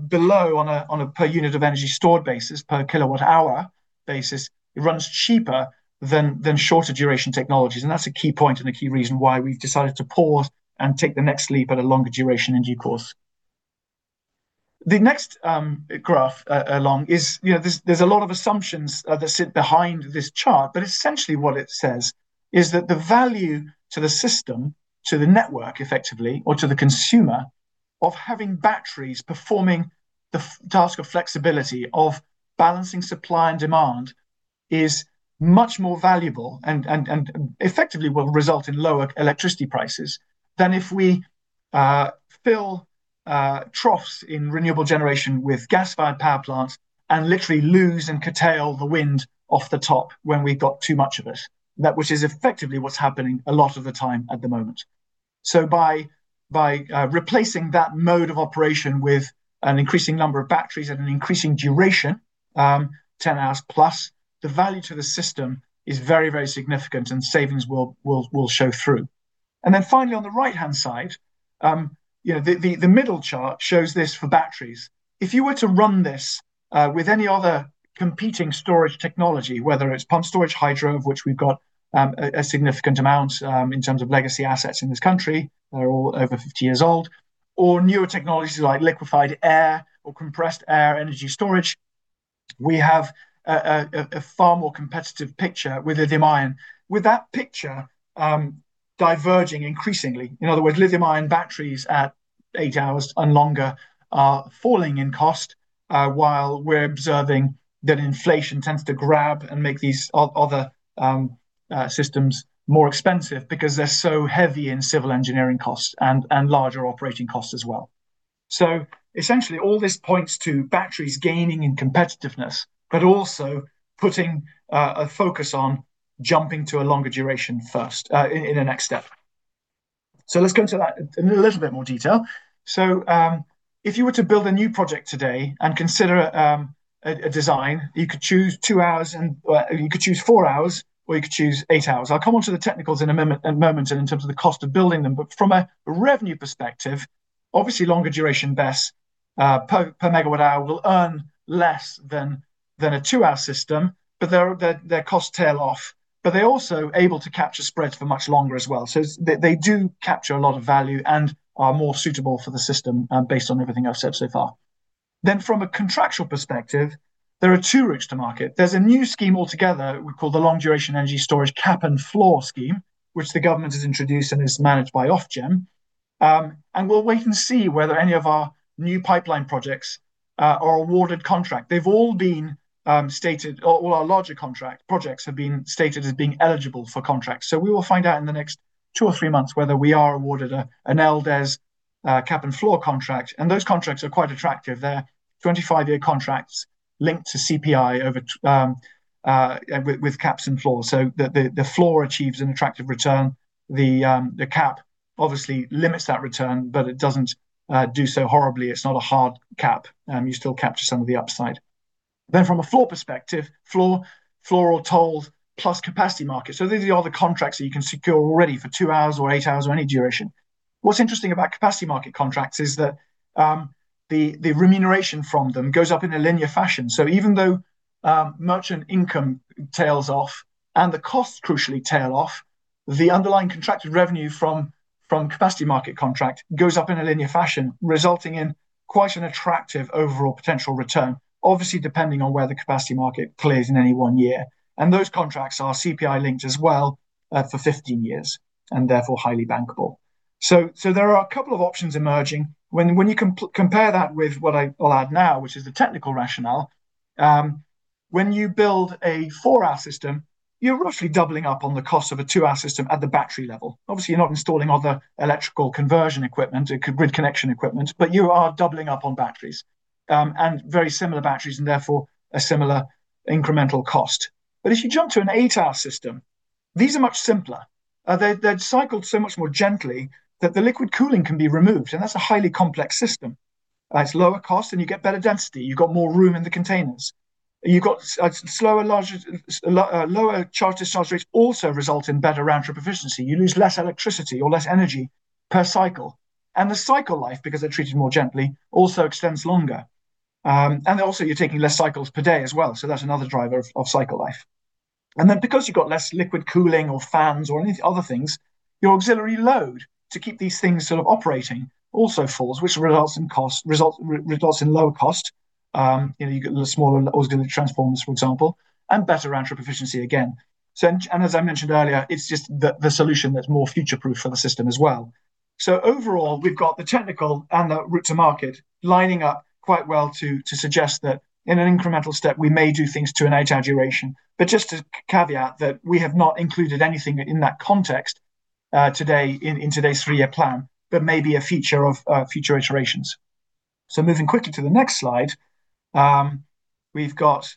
below on a per unit of energy stored basis, per kilowatt-hour basis. It runs cheaper than shorter duration technologies, and that's a key point and a key reason why we've decided to pause and take the next leap at a longer duration energy course. The next graph along is there's a lot of assumptions that sit behind this chart, but essentially what it says is that the value to the system, to the network, effectively, or to the consumer, of having batteries performing the task of flexibility, of balancing supply and demand, is much more valuable and effectively will result in lower electricity prices than if we fill troughs in renewable generation with gas-fired power plants and literally lose and curtail the wind off the top when we've got too much of it. That which is effectively what's happening a lot of the time at the moment. By replacing that mode of operation with an increasing number of batteries at an increasing duration, 10 hours plus, the value to the system is very, very significant and savings will show through. Finally, on the right-hand side, the middle chart shows this for batteries. If you were to run this with any other competing storage technology, whether it's pump storage hydro, of which we've got a significant amount, in terms of legacy assets in this country, they're all over 50 years old. Or newer technologies like liquefied air or compressed air energy storage, we have a far more competitive picture with a lithium ion. With that picture diverging increasingly. In other words, lithium ion batteries at eight hours and longer are falling in cost, while we're observing that inflation tends to grab and make these other systems more expensive because they're so heavy in civil engineering costs and larger operating costs as well. Essentially, all this points to batteries gaining in competitiveness, but also putting a focus on jumping to a longer duration first, in the next step. Let's go into that in a little bit more detail. If you were to build a new project today and consider a design, you could choose four hours, or you could choose eight hours. I'll come onto the technicals in a moment in terms of the cost of building them. From a revenue perspective, obviously longer duration BESS/MWh will earn less than a two-hour system, but their costs tail off. They're also able to capture spreads for much longer as well. They do capture a lot of value and are more suitable for the system based on everything I've said so far. From a contractual perspective, there are two routes to market. There's a new scheme altogether we call the Long Duration Energy Storage Cap and Floor scheme, which the government has introduced and is managed by Ofgem. We'll wait and see whether any of our new pipeline projects are awarded contract. They've all been stated, or all our larger contract projects have been stated as being eligible for contracts. We will find out in the next two or three months whether we are awarded an LDES Cap and Floor contract, and those contracts are quite attractive. They're 25-year contracts linked to CPI with caps and floors. The floor achieves an attractive return. The cap obviously limits that return. It doesn't do so horribly. It's not a hard cap. You still capture some of the upside. From a floor perspective, floor or tolled plus Capacity Market. These are the contracts that you can secure already for two hours or eight hours or any duration. What's interesting about Capacity Market contracts is that the remuneration from them goes up in a linear fashion. Even though merchant income tails off and the costs crucially tail off, the underlying contracted revenue from Capacity Market contract goes up in a linear fashion, resulting in quite an attractive overall potential return, obviously depending on where the Capacity Market clears in any one year. Those contracts are CPI linked as well for 15 years, and therefore highly bankable. There are a couple of options emerging. When you compare that with what I'll add now, which is the technical rationale, when you build a four-hour system, you're roughly doubling up on the cost of a two-hour system at the battery level. Obviously, you're not installing other electrical conversion equipment or grid connection equipment, but you are doubling up on batteries, and very similar batteries, and therefore a similar incremental cost. If you jump to an eight-hour system, these are much simpler. They're cycled so much more gently that the liquid cooling can be removed, and that's a highly complex system. It's lower cost and you get better density. You've got more room in the containers. You've got lower charge-discharge rates also result in better round-trip efficiency. You lose less electricity or less energy per cycle. The cycle life, because they're treated more gently, also extends longer. Also you're taking less cycles per day as well, so that's another driver of cycle life. Then because you've got less liquid cooling or fans or any other things, your auxiliary load to keep these things sort of operating also falls, which results in lower cost. You get the smaller auxiliary transformers, for example, and better round trip efficiency again. As I mentioned earlier, it's just the solution that's more future-proof for the system as well. Overall, we've got the technical and the route to market lining up quite well to suggest that in an incremental step, we may do things to an eight-hour duration. Just to caveat that we have not included anything in that context in today's three-year plan, but may be a feature of future iterations. Moving quickly to the next slide, we've got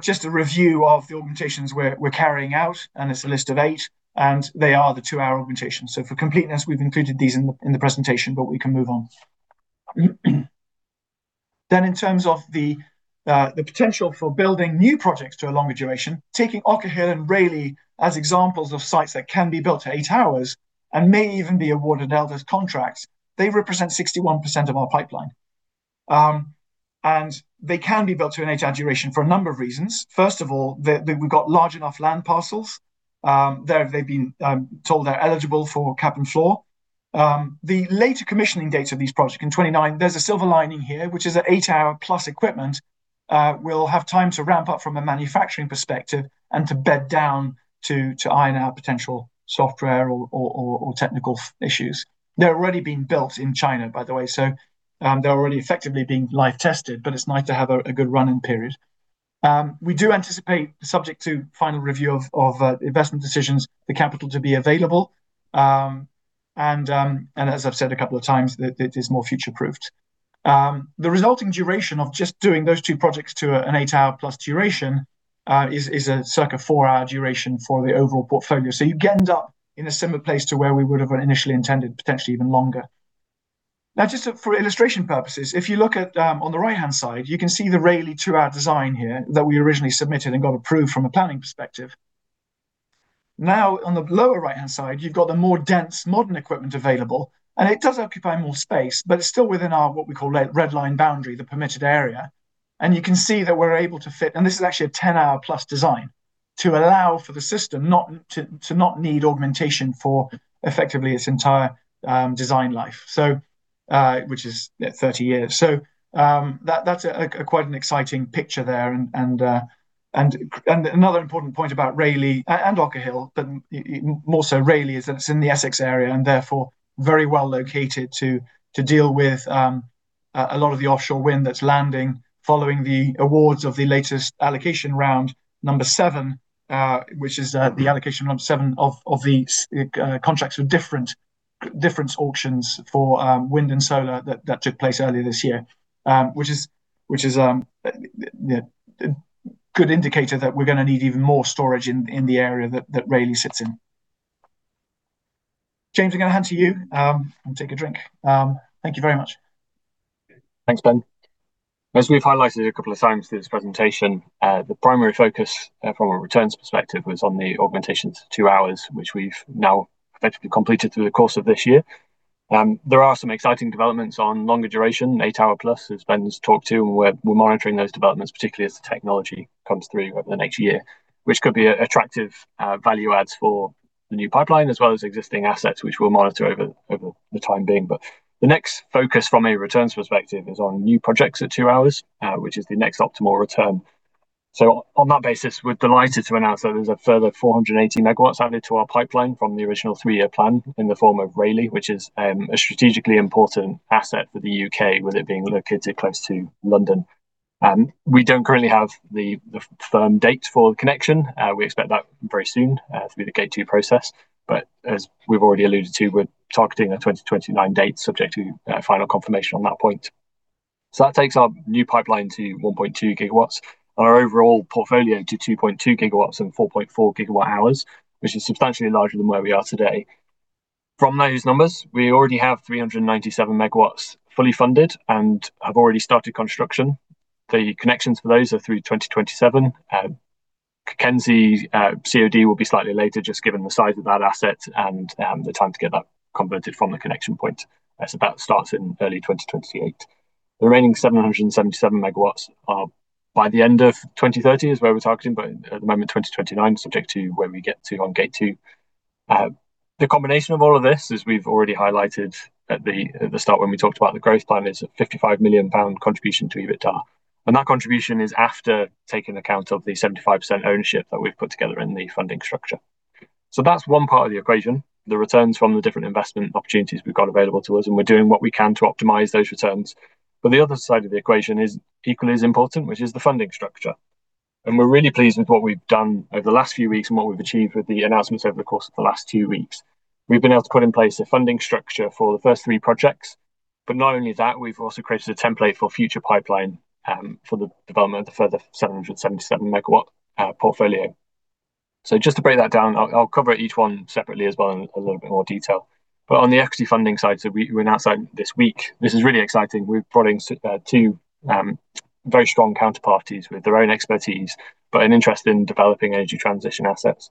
just a review of the augmentations we're carrying out, and it's a list of eight, and they are the two-hour augmentations. For completeness, we've included these in the presentation, but we can move on. In terms of the potential for building new projects to a longer duration, taking Ocker Hill and Rayleigh as examples of sites that can be built to eight hours and may even be awarded LDES contracts, they represent 61% of our pipeline. They can be built to an eight-hour duration for a number of reasons. First of all, we've got large enough land parcels. They've been told they're eligible for cap and floor. The later commissioning dates of these projects in 2029, there's a silver lining here, which is that eight-hour plus equipment will have time to ramp up from a manufacturing perspective and to bed down to iron out potential software or technical issues. They're already being built in China, by the way, so they're already effectively being live tested, but it's nice to have a good run-in period. We do anticipate, subject to final review of investment decisions, the capital to be available, and as I've said a couple of times, that it is more future-proofed. The resulting duration of just doing those two projects to an eight-hour plus duration is a circa four-hour duration for the overall portfolio. You'd end up in a similar place to where we would have initially intended, potentially even longer. Just for illustration purposes, if you look at on the right-hand side, you can see the Rayleigh two-hour design here that we originally submitted and got approved from a planning perspective. On the lower right-hand side, you've got the more dense modern equipment available, and it does occupy more space, but it's still within our what we call red line boundary, the permitted area. You can see that we're able to fit, and this is actually a 10-hour plus design, to allow for the system to not need augmentation for effectively its entire design life, which is 30 years. That's quite an exciting picture there. Another important point about Rayleigh and Ocker Hill, but more so Rayleigh, is that it's in the Essex area and therefore very well located to deal with a lot of the offshore wind that's landing following the awards of the latest Allocation Round 7, which is the Allocation Round 7 of these contracts with different auctions for wind and solar that took place earlier this year, which is a good indicator that we're going to need even more storage in the area that Rayleigh sits in. James, I'm going to hand to you, and take a drink. Thank you very much. Thanks, Ben. As we've highlighted a couple of times through this presentation, the primary focus from a returns perspective was on the augmentation to two hours, which we've now effectively completed through the course of this year. There are some exciting developments on longer duration, eight hour plus, as Ben's talked to. We're monitoring those developments, particularly as the technology comes through over the next year, which could be attractive value adds for the new pipeline, as well as existing assets, which we'll monitor over the time being. The next focus from a returns perspective is on new projects at two hours, which is the next optimal return. On that basis, we're delighted to announce that there's a further 480 MW added to our pipeline from the original three-year plan in the form of Rayleigh, which is a strategically important asset for the U.K., with it being located close to London. We don't currently have the firm date for the connection. We expect that very soon through the Gate 2 process. As we've already alluded to, we're targeting a 2029 date, subject to final confirmation on that point. That takes our new pipeline to 1.2 GW and our overall portfolio to 2.2 GW and 4.4 GWh, which is substantially larger than where we are today. From those numbers, we already have 397 MW fully funded and have already started construction. The connections for those are through 2027. Cockenzie COD will be slightly later, just given the size of that asset and the time to get that converted from the connection point. That starts in early 2028. The remaining 777 MW are by the end of 2030 is where we're targeting, but at the moment, 2029, subject to where we get to on Gate 2. The combination of all of this, as we've already highlighted at the start when we talked about the growth plan, is a 55 million pound contribution to EBITDA. That contribution is after taking account of the 75% ownership that we've put together in the funding structure. That's one part of the equation, the returns from the different investment opportunities we've got available to us, and we're doing what we can to optimize those returns. The other side of the equation is equally as important, which is the funding structure. We're really pleased with what we've done over the last few weeks and what we've achieved with the announcements over the course of the last two weeks. We've been able to put in place a funding structure for the first three projects. Not only that, we've also created a template for future pipeline, for the development of the further 777 MW portfolio. Just to break that down, I'll cover each one separately as well in a little bit more detail. On the equity funding side, we announced this week. This is really exciting. We're bringing two very strong counterparties with their own expertise, but an interest in developing energy transition assets.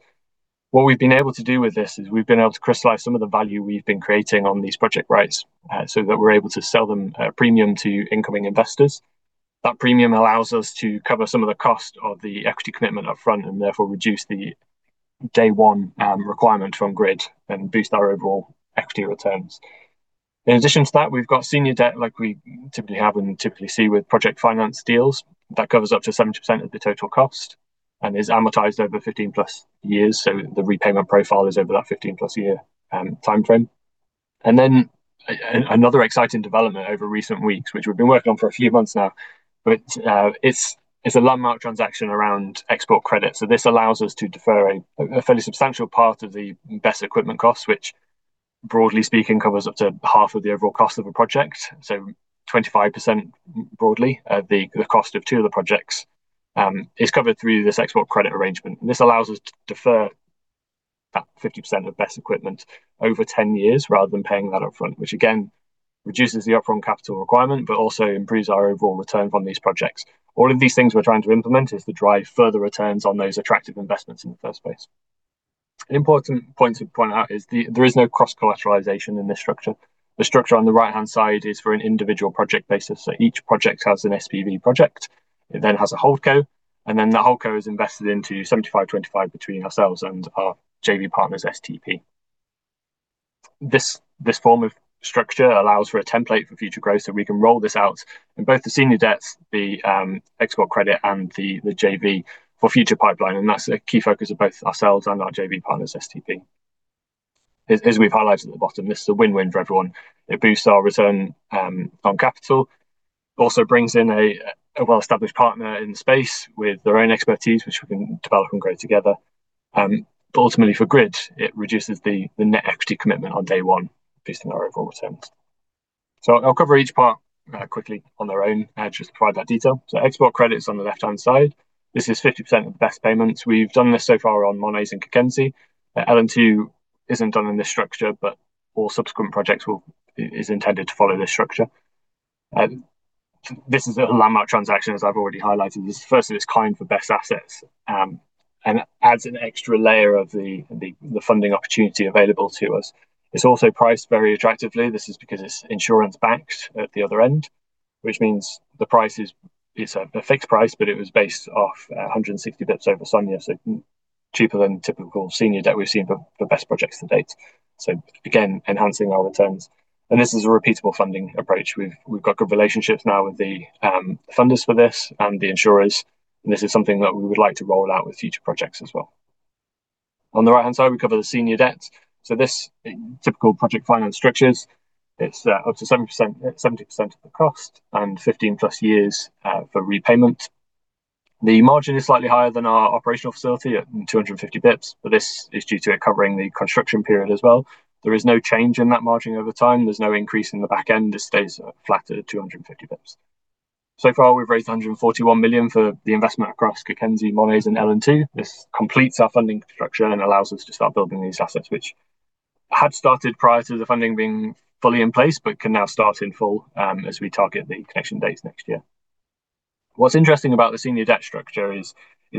What we've been able to do with this is we've been able to crystallize some of the value we've been creating on these project rights, so that we're able to sell them at a premium to incoming investors. That premium allows us to cover some of the cost of the equity commitment up front and therefore reduce the day one requirement from grid and boost our overall equity returns. In addition to that, we've got senior debt like we typically have and typically see with project finance deals. That covers up to 70% of the total cost and is amortized over 15+ years. The repayment profile is over that 15+ year time frame. Another exciting development over recent weeks, which we've been working on for a few months now. It's a landmark transaction around export credit. This allows us to defer a fairly substantial part of the BESS equipment cost, which broadly speaking, covers up to half of the overall cost of a project. 25% broadly, the cost of two of the projects, is covered through this export credit arrangement. This allows us to defer that 50% of BESS equipment over 10 years rather than paying that up front, which again, reduces the upfront capital requirement, but also improves our overall return from these projects. All of these things we're trying to implement is to drive further returns on those attractive investments in the first place. An important point to point out is there is no cross-collateralization in this structure. The structure on the right-hand side is for an individual project basis, so each project has an SPV project. It then has a holdco, that holdco is invested into 75/25 between ourselves and our JV partner, STP. This form of structure allows for a template for future growth, we can roll this out in both the senior debts, the export credit, and the JV for future pipeline, that's a key focus of both ourselves and our JV partners, STP. As we've highlighted at the bottom, this is a win-win for everyone. It boosts our return on capital. Brings in a well-established partner in the space with their own expertise, which we can develop and grow together. Ultimately for GRID, it reduces the net equity commitment on day one, boosting our overall returns. I'll cover each part quickly on their own, just to provide that detail. Export credit's on the left-hand side. This is 50% of the BESS payments. We've done this so far on Monet's Garden and Cockenzie. Elland 2 isn't done in this structure, but all subsequent projects is intended to follow this structure. This is a landmark transaction, as I've already highlighted. This is the first of its kind for BESS assets, and adds an extra layer of the funding opportunity available to us. It's also priced very attractively. This is because it's insurance-backed at the other end, which means the price is a fixed price, but it was based off 160 basis points over SONIA, so cheaper than typical senior debt we've seen for BESS projects to date. Again, enhancing our returns. This is a repeatable funding approach. We've got good relationships now with the funders for this and the insurers, and this is something that we would like to roll out with future projects as well. On the right-hand side, we cover the senior debts. This typical project finance structures, it's up to 70% of the cost and 15+ years for repayment. The margin is slightly higher than our operational facility at 250 basis points, but this is due to it covering the construction period as well. There is no change in that margin over time. There's no increase in the back end. This stays flat at 250 basis points. So far, we've raised 141 million for the investment across Cockenzie, Monet's Garden, and Elland 2. This completes our funding structure and allows us to start building these assets, which had started prior to the funding being fully in place, but can now start in full, as we target the connection dates next year. What's interesting about the senior debt structure is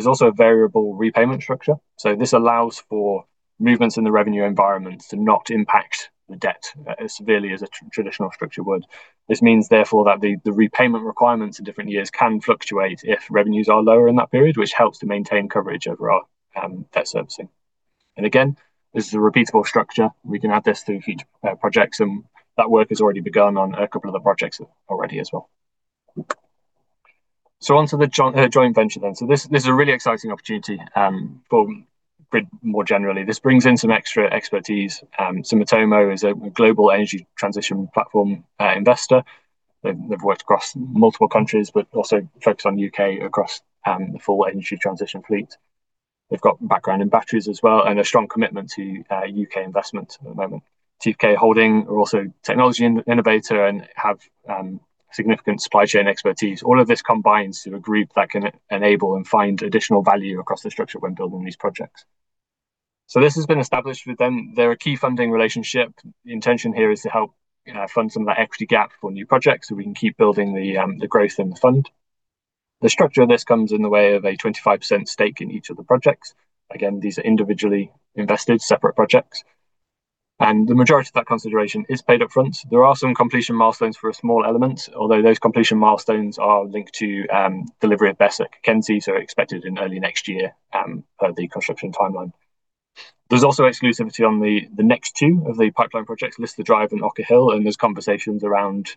also a variable repayment structure. This allows for movements in the revenue environments to not impact the debt as severely as a traditional structure would. This means, therefore, that the repayment requirements of different years can fluctuate if revenues are lower in that period, which helps to maintain coverage over our debt servicing. Again, this is a repeatable structure. We can add this to future projects, and that work has already begun on a couple of other projects already as well. On to the joint venture then. This is a really exciting opportunity. More generally, this brings in some extra expertise. Sumitomo is a global energy transition platform investor. They've worked across multiple countries, but also focused on U.K. across the full energy transition fleet. They've got background in batteries as well, and a strong commitment to U.K. investment at the moment. TPK Holdings are also a technology innovator and have significant supply chain expertise. All of this combines to a group that can enable and find additional value across the structure when building these projects. This has been established with them. They're a key funding relationship. The intention here is to help fund some of that equity gap for new projects so we can keep building the growth in the fund. The structure of this comes in the way of a 25% stake in each of the projects. Again, these are individually invested, separate projects. The majority of that consideration is paid upfront. There are some completion milestones for a small element, although those completion milestones are linked to delivery at Cockenzie, so expected in early next year, per the construction timeline. There's also exclusivity on the next two of the pipeline projects, Lister Drive and Ocker Hill. There's conversations around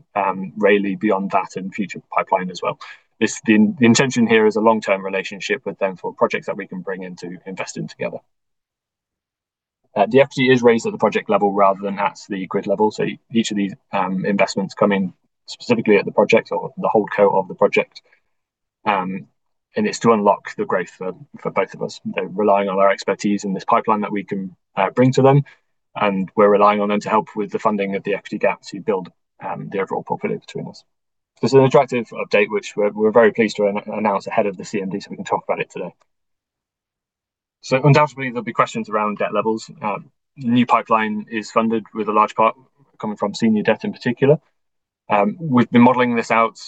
Rayleigh beyond that and future pipeline as well. The intention here is a long-term relationship with them for projects that we can bring in to invest in together. The equity is raised at the project level rather than at the GRID level. Each of these investments come in specifically at the project or the holdco of the project, and it's to unlock the growth for both of us. They're relying on our expertise and this pipeline that we can bring to them, and we're relying on them to help with the funding of the equity gap to build the overall portfolio between us. This is an attractive update, which we're very pleased to announce ahead of the CMD so we can talk about it today. Undoubtedly, there'll be questions around debt levels. New pipeline is funded with a large part coming from senior debt in particular. We've been modeling this out.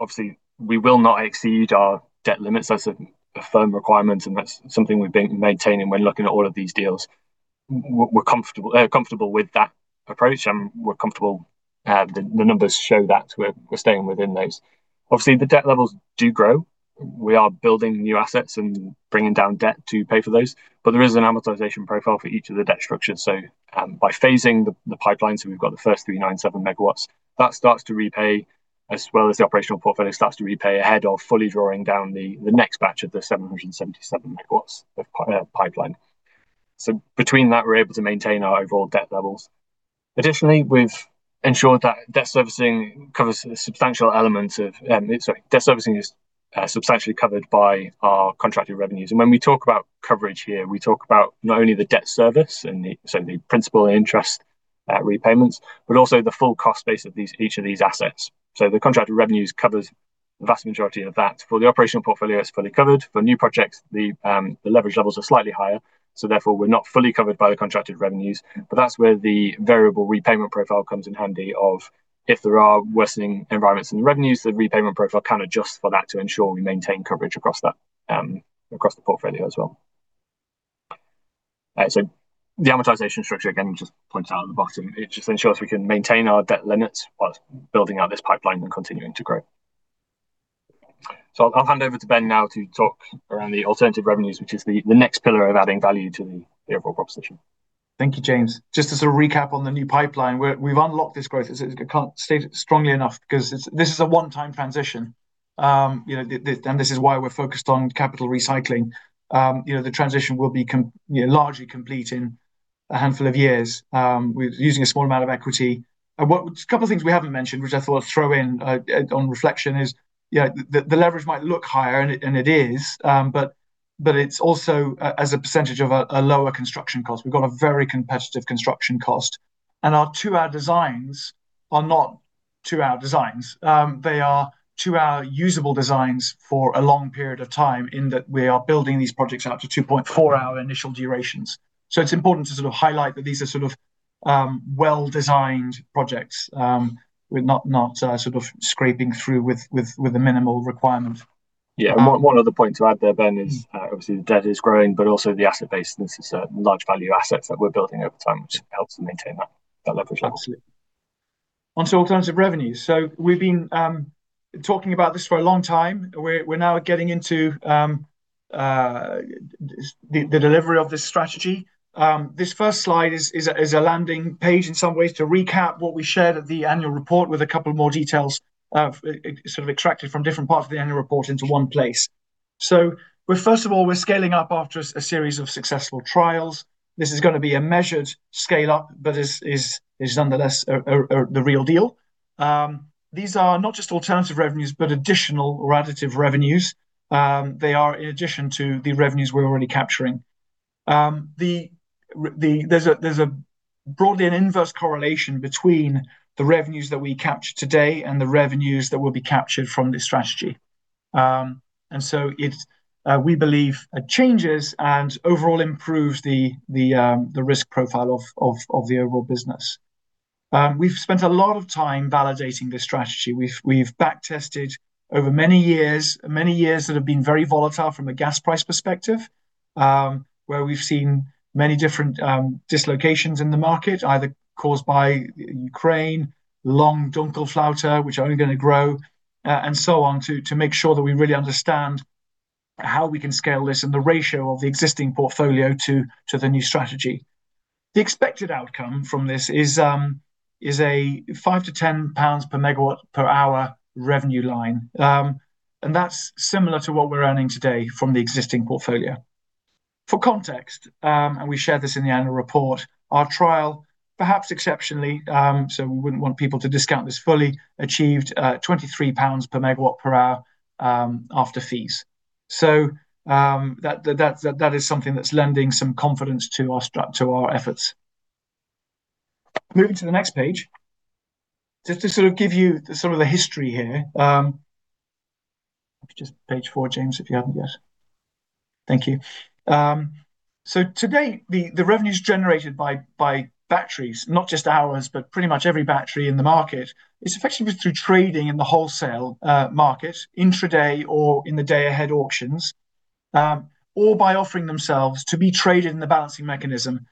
Obviously, we will not exceed our debt limits as a firm requirement, and that's something we've been maintaining when looking at all of these deals. We're comfortable with that approach. We're comfortable the numbers show that we're staying within those. Obviously, the debt levels do grow. We are building new assets and bringing down debt to pay for those. There is an amortization profile for each of the debt structures. By phasing the pipeline, we've got the first 397 MW that starts to repay as well as the operational portfolio starts to repay ahead of fully drawing down the next batch of the 777 MW of pipeline. Between that, we're able to maintain our overall debt levels. Debt servicing is substantially covered by our contracted revenues. When we talk about coverage here, we talk about not only the debt service and so the principal interest repayments, but also the full cost base of each of these assets. The contracted revenues covers the vast majority of that. For the operational portfolio, it's fully covered. For new projects, the leverage levels are slightly higher, so therefore, we're not fully covered by the contracted revenues, but that's where the variable repayment profile comes in handy of if there are worsening environments in the revenues, the repayment profile can adjust for that to ensure we maintain coverage across the portfolio as well. The amortization structure, again, just points out at the bottom, it just ensures we can maintain our debt limits while building out this pipeline and continuing to grow. I'll hand over to Ben Guest now to talk around the alternative revenues, which is the next pillar of adding value to the overall proposition. Thank you, James. To sort of recap on the new pipeline, we've unlocked this growth. I can't state it strongly enough because this is a one-time transition, this is why we're focused on capital recycling. The transition will be largely complete in a handful of years. We're using a small amount of equity. A couple of things we haven't mentioned, which I thought I'd throw in on reflection is, the leverage might look higher, it is, it's also as a percentage of a lower construction cost. We've got a very competitive construction cost, our two-hour designs are not two-hour designs. They are two-hour usable designs for a long period of time in that we are building these projects out to 2.4-hour initial durations. It's important to sort of highlight that these are sort of well-designed projects. We're not sort of scraping through with the minimal requirement. Yeah. One other point to add there, Ben, is obviously the debt is growing, but also the asset base. This is large value assets that we're building over time, which helps to maintain that leverage level. Absolutely. Onto alternative revenues. We've been talking about this for a long time. We're now getting into the delivery of this strategy. This first slide is a landing page in some ways to recap what we shared at the annual report with a couple more details sort of extracted from different parts of the annual report into one place. First of all, we're scaling up after a series of successful trials. This is going to be a measured scale-up, but is nonetheless the real deal. These are not just alternative revenues, but additional or additive revenues. They are in addition to the revenues we're already capturing. There's a broadly an inverse correlation between the revenues that we capture today and the revenues that will be captured from this strategy. It, we believe, changes and overall improves the risk profile of the overall business. We've spent a lot of time validating this strategy. We've back-tested over many years that have been very volatile from a gas price perspective, where we've seen many different dislocations in the market, either caused by Ukraine, long Dunkelflaute, which are only going to grow, and so on, to make sure that we really understand how we can scale this and the ratio of the existing portfolio to the new strategy. The expected outcome from this is a 5-10 pounds/MWh revenue line, and that's similar to what we're earning today from the existing portfolio. For context, and we share this in the annual report, our trial, perhaps exceptionally, so we wouldn't want people to discount this fully, achieved 23 pounds/MWh after fees. That is something that's lending some confidence to our efforts. Moving to the next page, just to give you some of the history here. Just page four, James, if you haven't yet. Thank you. To date, the revenues generated by batteries, not just ours, but pretty much every battery in the market, is effectively through trading in the wholesale market, intra-day or in the day-ahead auctions, or by offering themselves to be traded in the Balancing Mechanism,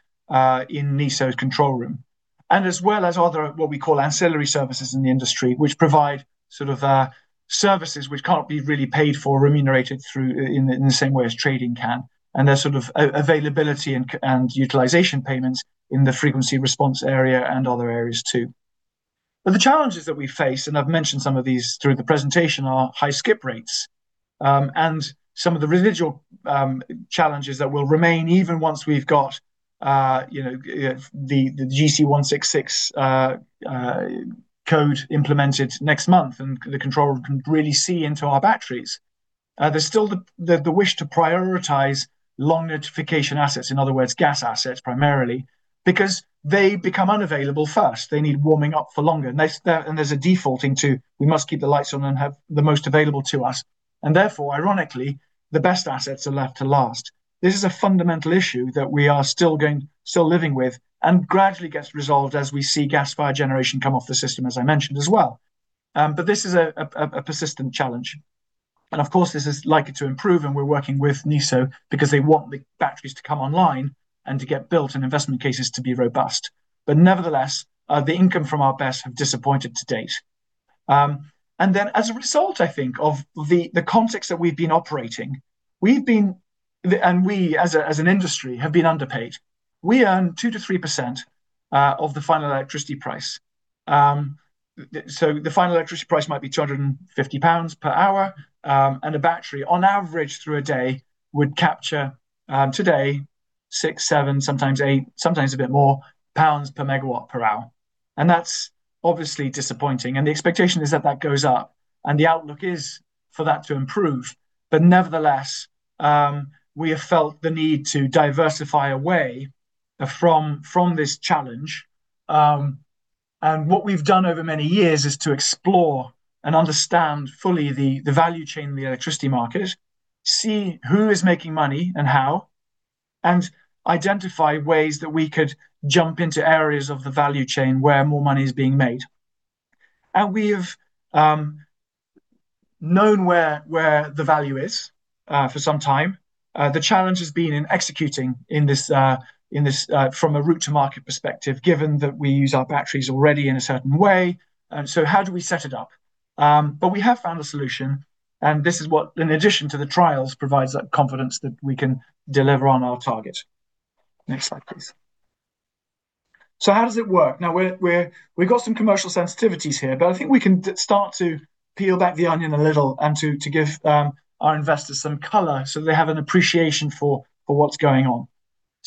in NESO's control room, and as well as other, what we call ancillary services in the industry, which provide sort of services which can't be really paid for or remunerated through in the same way as trading can, and there's sort of availability and utilization payments in the frequency response area and other areas too. The challenges that we face, and I've mentioned some of these through the presentation, are high skip rates, and some of the residual challenges that will remain even once we've got the GC0166 code implemented next month and the control room can really see into our batteries. There's still the wish to prioritize long notification assets, in other words, gas assets primarily because they become unavailable first. They need warming up for longer. There's a defaulting to, we must keep the lights on and have the most available to us, and therefore, ironically, the best assets are left to last. This is a fundamental issue that we are still living with and gradually gets resolved as we see gas-fired generation come off the system, as I mentioned as well. This is a persistent challenge. Of course, this is likely to improve and we're working with NESO because they want the batteries to come online and to get built and investment cases to be robust. Nevertheless, the income from our BESS have disappointed to date. As a result, I think, of the context that we've been operating, we've been, and we as an industry, have been underpaid. We earn 2%-3% of the final electricity price. The final electricity price might be 250 pounds per hour, and a battery, on average through a day, would capture, today, six, seven, sometimes eight, sometimes a bit more, pound per megawatt per hour. That's obviously disappointing and the expectation is that that goes up, and the outlook is for that to improve. Nevertheless, we have felt the need to diversify away from this challenge. What we've done over many years is to explore and understand fully the value chain in the electricity market, see who is making money and how, and identify ways that we could jump into areas of the value chain where more money is being made. We've known where the value is, for some time. The challenge has been in executing in this from a route to market perspective, given that we use our batteries already in a certain way, and so how do we set it up? We have found a solution, and this is what, in addition to the trials, provides that confidence that we can deliver on our target. Next slide, please. How does it work? We've got some commercial sensitivities here, but I think we can start to peel back the onion a little and to give our investors some color so that they have an appreciation for what's going on.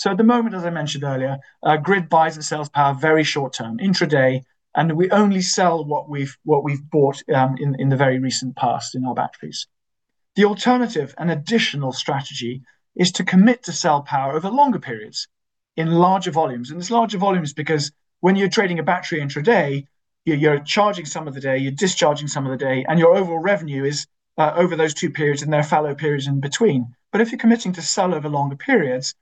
At the moment, as I mentioned earlier, grid buys and sells power very short-term, intra-day, and we only sell what we've bought in the very recent past in our batteries. The alternative and additional strategy is to commit to sell power over longer periods in larger volumes, and it's larger volumes because when you're trading a battery intra-day, you're charging some of the day, you're discharging some of the day, and your overall revenue is over those two periods, and there are fallow periods in between. If you're committing to sell over longer periods,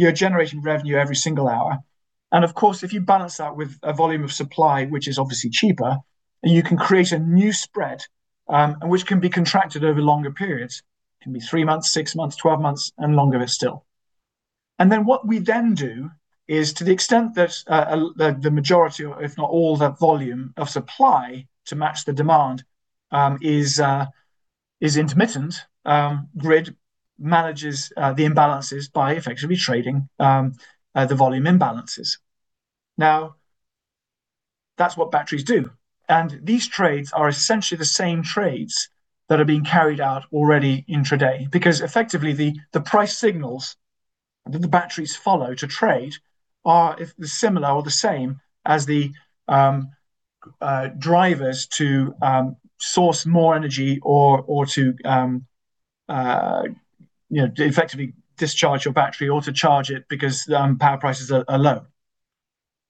you're generating revenue every single hour. Of course, if you balance that with a volume of supply, which is obviously cheaper, you can create a new spread, and which can be contracted over longer periods. It can be three months, six months, 12 months, and longer still. Then what we then do is, to the extent that the majority, if not all the volume of supply to match the demand, is intermittent, grid manages the imbalances by effectively trading the volume imbalances. That's what batteries do, and these trades are essentially the same trades that are being carried out already intra-day, because effectively the price signals that the batteries follow to trade are similar or the same as the drivers to source more energy or to effectively discharge your battery or to charge it because power prices are low.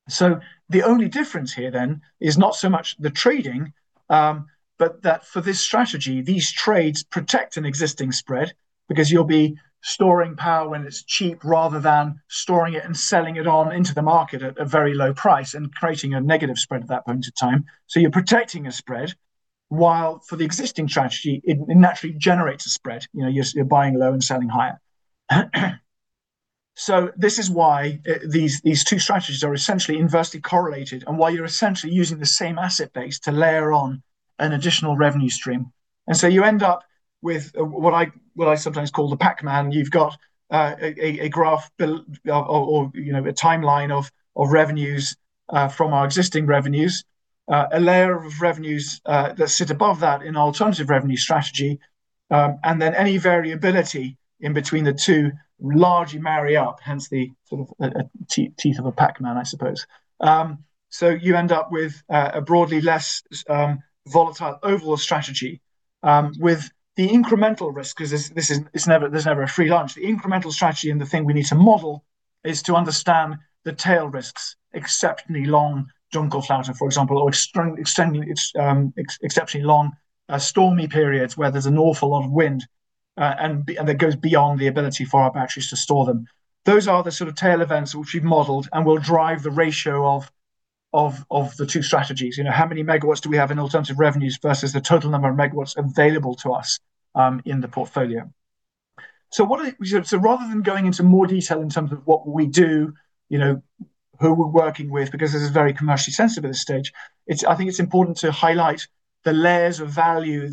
The only difference here then is not so much the trading, but that for this strategy, these trades protect an existing spread because you'll be storing power when it's cheap rather than storing it and selling it on into the market at a very low price and creating a negative spread at that point in time. You're protecting a spread, while for the existing strategy, it naturally generates a spread. You're buying low and selling higher. This is why these two strategies are essentially inversely correlated and why you're essentially using the same asset base to layer on an additional revenue stream. You end up with what I sometimes call the Pac-Man. You've got a graph or a timeline of revenues from our existing revenues, a layer of revenues that sit above that in alternative revenue strategy, and then any variability in between the two largely marry up, hence the sort of teeth of a Pac-Man, I suppose. You end up with a broadly less volatile overall strategy, with the incremental risk, because there's never a free lunch. The incremental strategy and the thing we need to model is to understand the tail risks, exceptionally long Dunkelflaute, for example, or exceptionally long stormy periods where there's an awful lot of wind, and that goes beyond the ability for our batteries to store them. Those are the sort of tail events which we've modeled and will drive the ratio of the two strategies. How many megawatts do we have in alternative revenues versus the total number of megawatts available to us in the portfolio? Rather than going into more detail in terms of what we do, who we're working with, because this is very commercially sensitive at this stage, I think it's important to highlight the layers of value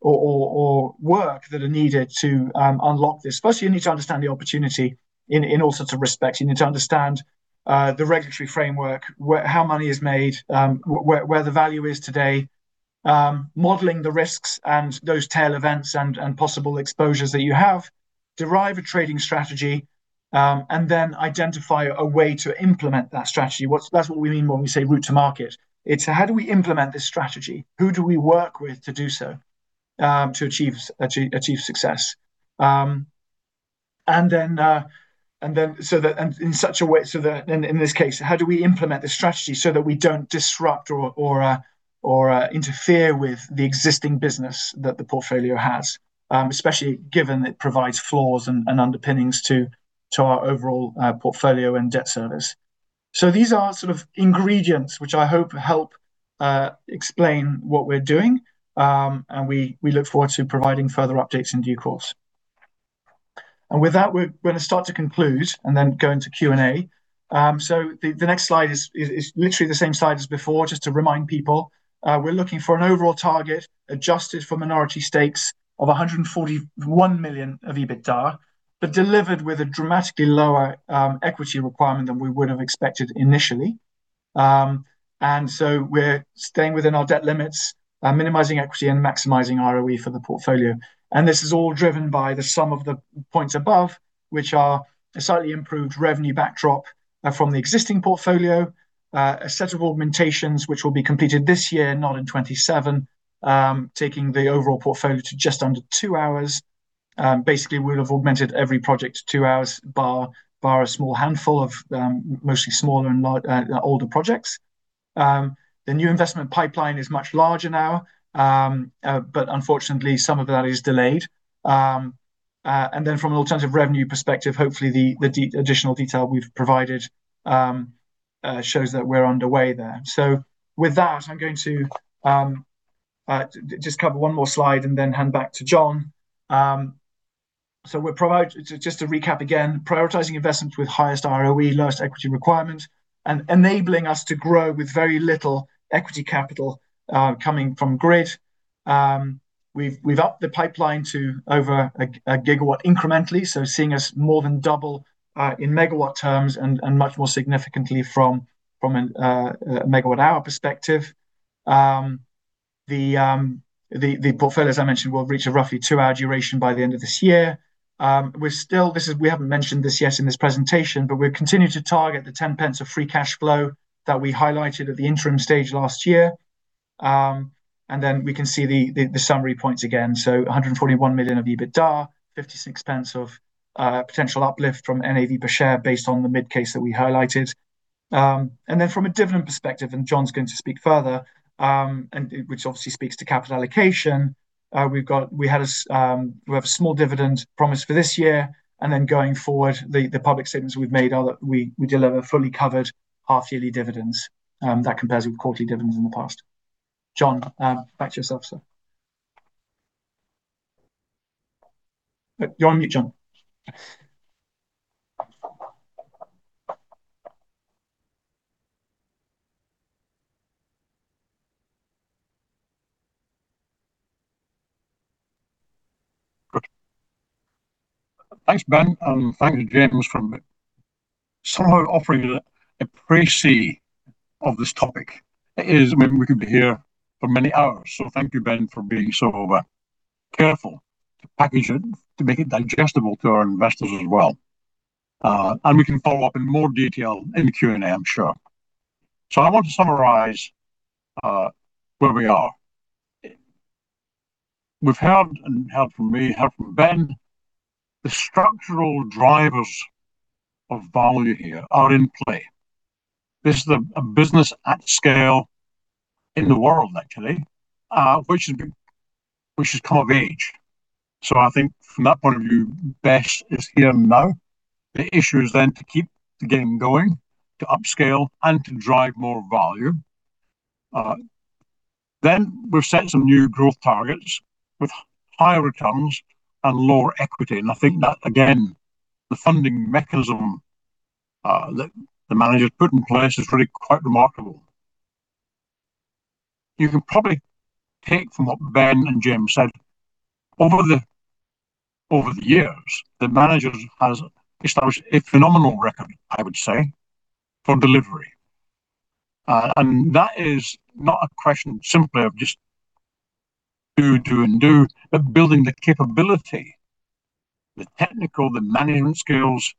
or work that are needed to unlock this. First, you need to understand the opportunity in all sorts of respects. You need to understand the regulatory framework, how money is made, where the value is today, modeling the risks and those tail events and possible exposures that you have, derive a trading strategy, and then identify a way to implement that strategy. That's what we mean when we say route to market. It's how do we implement this strategy? Who do we work with to do so, to achieve success? In this case, how do we implement this strategy so that we don't disrupt or interfere with the existing business that the portfolio has, especially given it provides floors and underpinnings to our overall portfolio and debt service. These are sort of ingredients which I hope help explain what we're doing, and we look forward to providing further updates in due course. With that, we're going to start to conclude and then go into Q&A. The next slide is literally the same slide as before, just to remind people. We're looking for an overall target adjusted for minority stakes of 141 million of EBITDA, but delivered with a dramatically lower equity requirement than we would have expected initially. We're staying within our debt limits, minimizing equity and maximizing ROE for the portfolio. This is all driven by the sum of the points above, which are a slightly improved revenue backdrop from the existing portfolio, a set of augmentations which will be completed this year, not in 2027, taking the overall portfolio to just under two hours. Basically, we'll have augmented every project to two hours, bar a small handful of mostly smaller and older projects. The new investment pipeline is much larger now, but unfortunately, some of that is delayed. From an alternative revenue perspective, hopefully the additional detail we've provided shows that we're underway there. With that, I'm going to just cover one more slide and then hand back to John. Just to recap again, prioritizing investments with highest ROE, lowest equity requirement, and enabling us to grow with very little equity capital coming from GRID. We've upped the pipeline to over a gigawatt incrementally, seeing us more than double in megawatt terms and much more significantly from a megawatt-hour perspective. The portfolio, as I mentioned, will reach a roughly two-hour duration by the end of this year. We haven't mentioned this yet in this presentation, but we're continuing to target the 0.10 of free cash flow that we highlighted at the interim stage last year. We can see the summary points again. 141 million of EBITDA, 0.56 of potential uplift from NAV per share based on the mid case that we highlighted. From a dividend perspective, and John's going to speak further, which obviously speaks to capital allocation, we have a small dividend promised for this year, and then going forward, the public statements we've made are that we deliver fully covered half-yearly dividends. That compares with quarterly dividends in the past. John, back to yourself, sir. You're on mute, John. Good. Thanks, Ben, and thanks James for somehow offering a précis of this topic. It is maybe we could be here for many hours. Thank you, Ben, for being so careful to package it, to make it digestible to our investors as well. We can follow up in more detail in the Q&A, I'm sure. I want to summarize where we are. We've heard, and heard from me, heard from Ben, the structural drivers of value here are in play. This is a business at scale in the world, actually, which has come of age. I think from that point of view, BESS is here now. The issue is then to keep the game going, to upscale and to drive more value. We've set some new growth targets with higher returns and lower equity. I think that, again, the funding mechanism that the manager put in place is really quite remarkable. You can probably take from what Ben and James said, over the years, the managers have established a phenomenal record, I would say, for delivery. That is not a question simply of just do, and do, but building the capability, the technical, the management skills,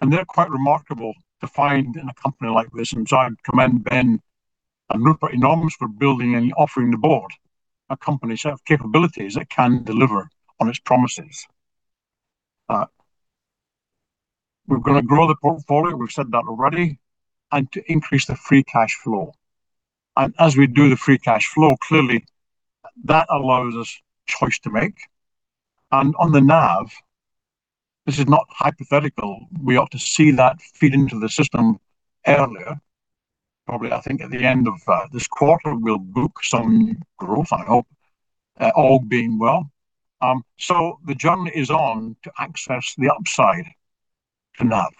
and they're quite remarkable to find in a company like this. I commend Ben and Rupert enormously for building and offering the board a company set of capabilities that can deliver on its promises. We're going to grow the portfolio, we've said that already, and to increase the free cash flow. As we do the free cash flow, clearly, that allows us choice to make. On the NAV, this is not hypothetical. We ought to see that feed into the system earlier. Probably, I think at the end of this quarter, we'll book some growth, I hope, all being well. The journey is on to access the upside to NAV.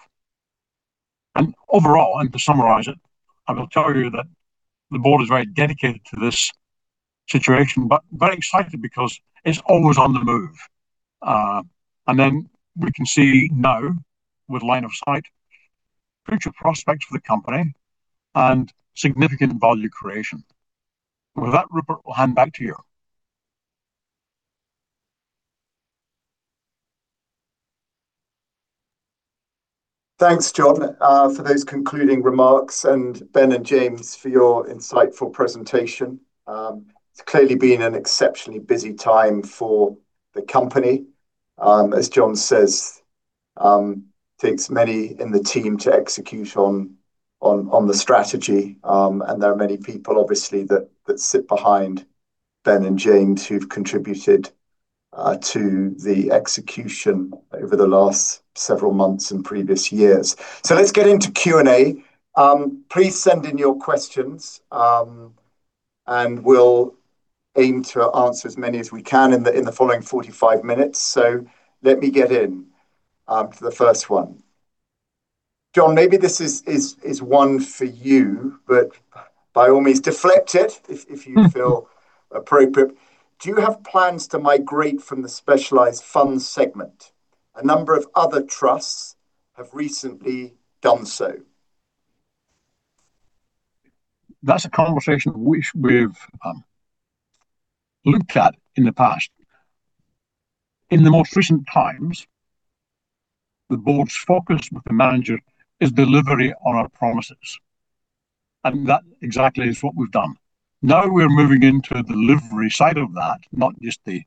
Overall, and to summarize it, I will tell you that the board is very dedicated to this situation, but very excited because it's always on the move. We can see now, with line of sight, future prospects for the company and significant value creation. With that, Rupert, we'll hand back to you. Thanks, John, for those concluding remarks, and Ben and James for your insightful presentation. It's clearly been an exceptionally busy time for the company. As John says, takes many in the team to execute on the strategy. There are many people, obviously, that sit behind Ben and James who've contributed to the execution over the last several months and previous years. Let's get into Q&A. Please send in your questions, and we'll aim to answer as many as we can in the following 45 minutes. Let me get in for the first one. John, maybe this is one for you, but by all means, deflect it if you feel appropriate. Do you have plans to migrate from the Specialist Fund Segment? A number of other trusts have recently done so. That's a conversation which we've looked at in the past. In the more recent times, the board's focus with the manager is delivery on our promises, and that exactly is what we've done. Now we're moving into the delivery side of that, not just the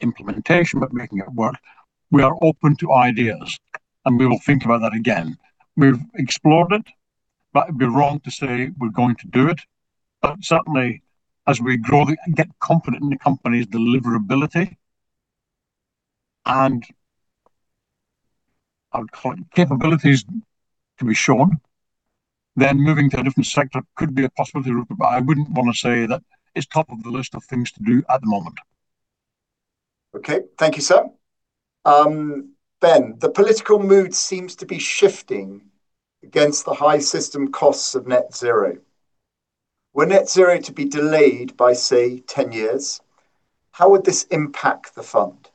implementation, but making it work. We are open to ideas, and we will think about that again. We've explored it, but it'd be wrong to say we're going to do it. Certainly, as we grow and get confident in the company's deliverability and capabilities can be shown, then moving to a different sector could be a possibility, Rupert, but I wouldn't want to say that it's top of the list of things to do at the moment. Okay. Thank you, sir. Ben, the political mood seems to be shifting against the high system costs of net zero. Were net zero to be delayed by, say, 10 years, how would this impact the fund?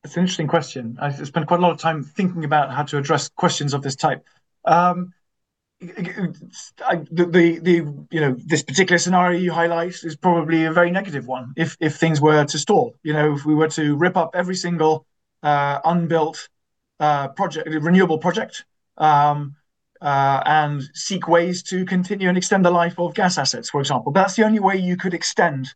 It's an interesting question. I spend quite a lot of time thinking about how to address questions of this type. This particular scenario you highlight is probably a very negative one. If things were to stall, if we were to rip up every single unbuilt renewable project, and seek ways to continue and extend the life of gas assets, for example. That's the only way you could extend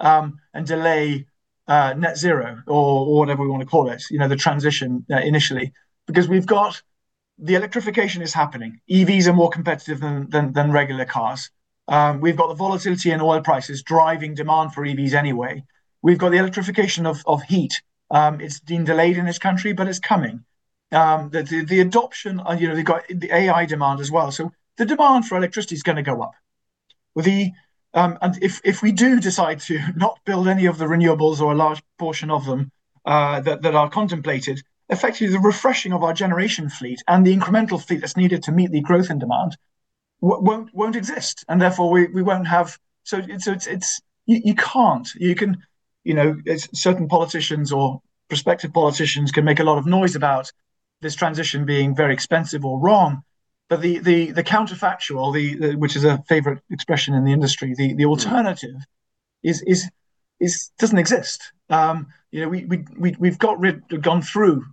and delay net zero or whatever we want to call it, the transition initially. The electrification is happening. EVs are more competitive than regular cars. We've got the volatility in oil prices driving demand for EVs anyway. We've got the electrification of heat. It's been delayed in this country, but it's coming. The adoption, we've got the AI demand as well. The demand for electricity is going to go up. If we do decide to not build any of the renewables or a large portion of them that are contemplated, effectively, the refreshing of our generation fleet and the incremental fleet that's needed to meet the growth and demand won't exist. Therefore, you can't. Certain politicians or prospective politicians can make a lot of noise about this transition being very expensive or wrong, but the counterfactual, which is a favorite expression in the industry, the alternative doesn't exist. We've gone through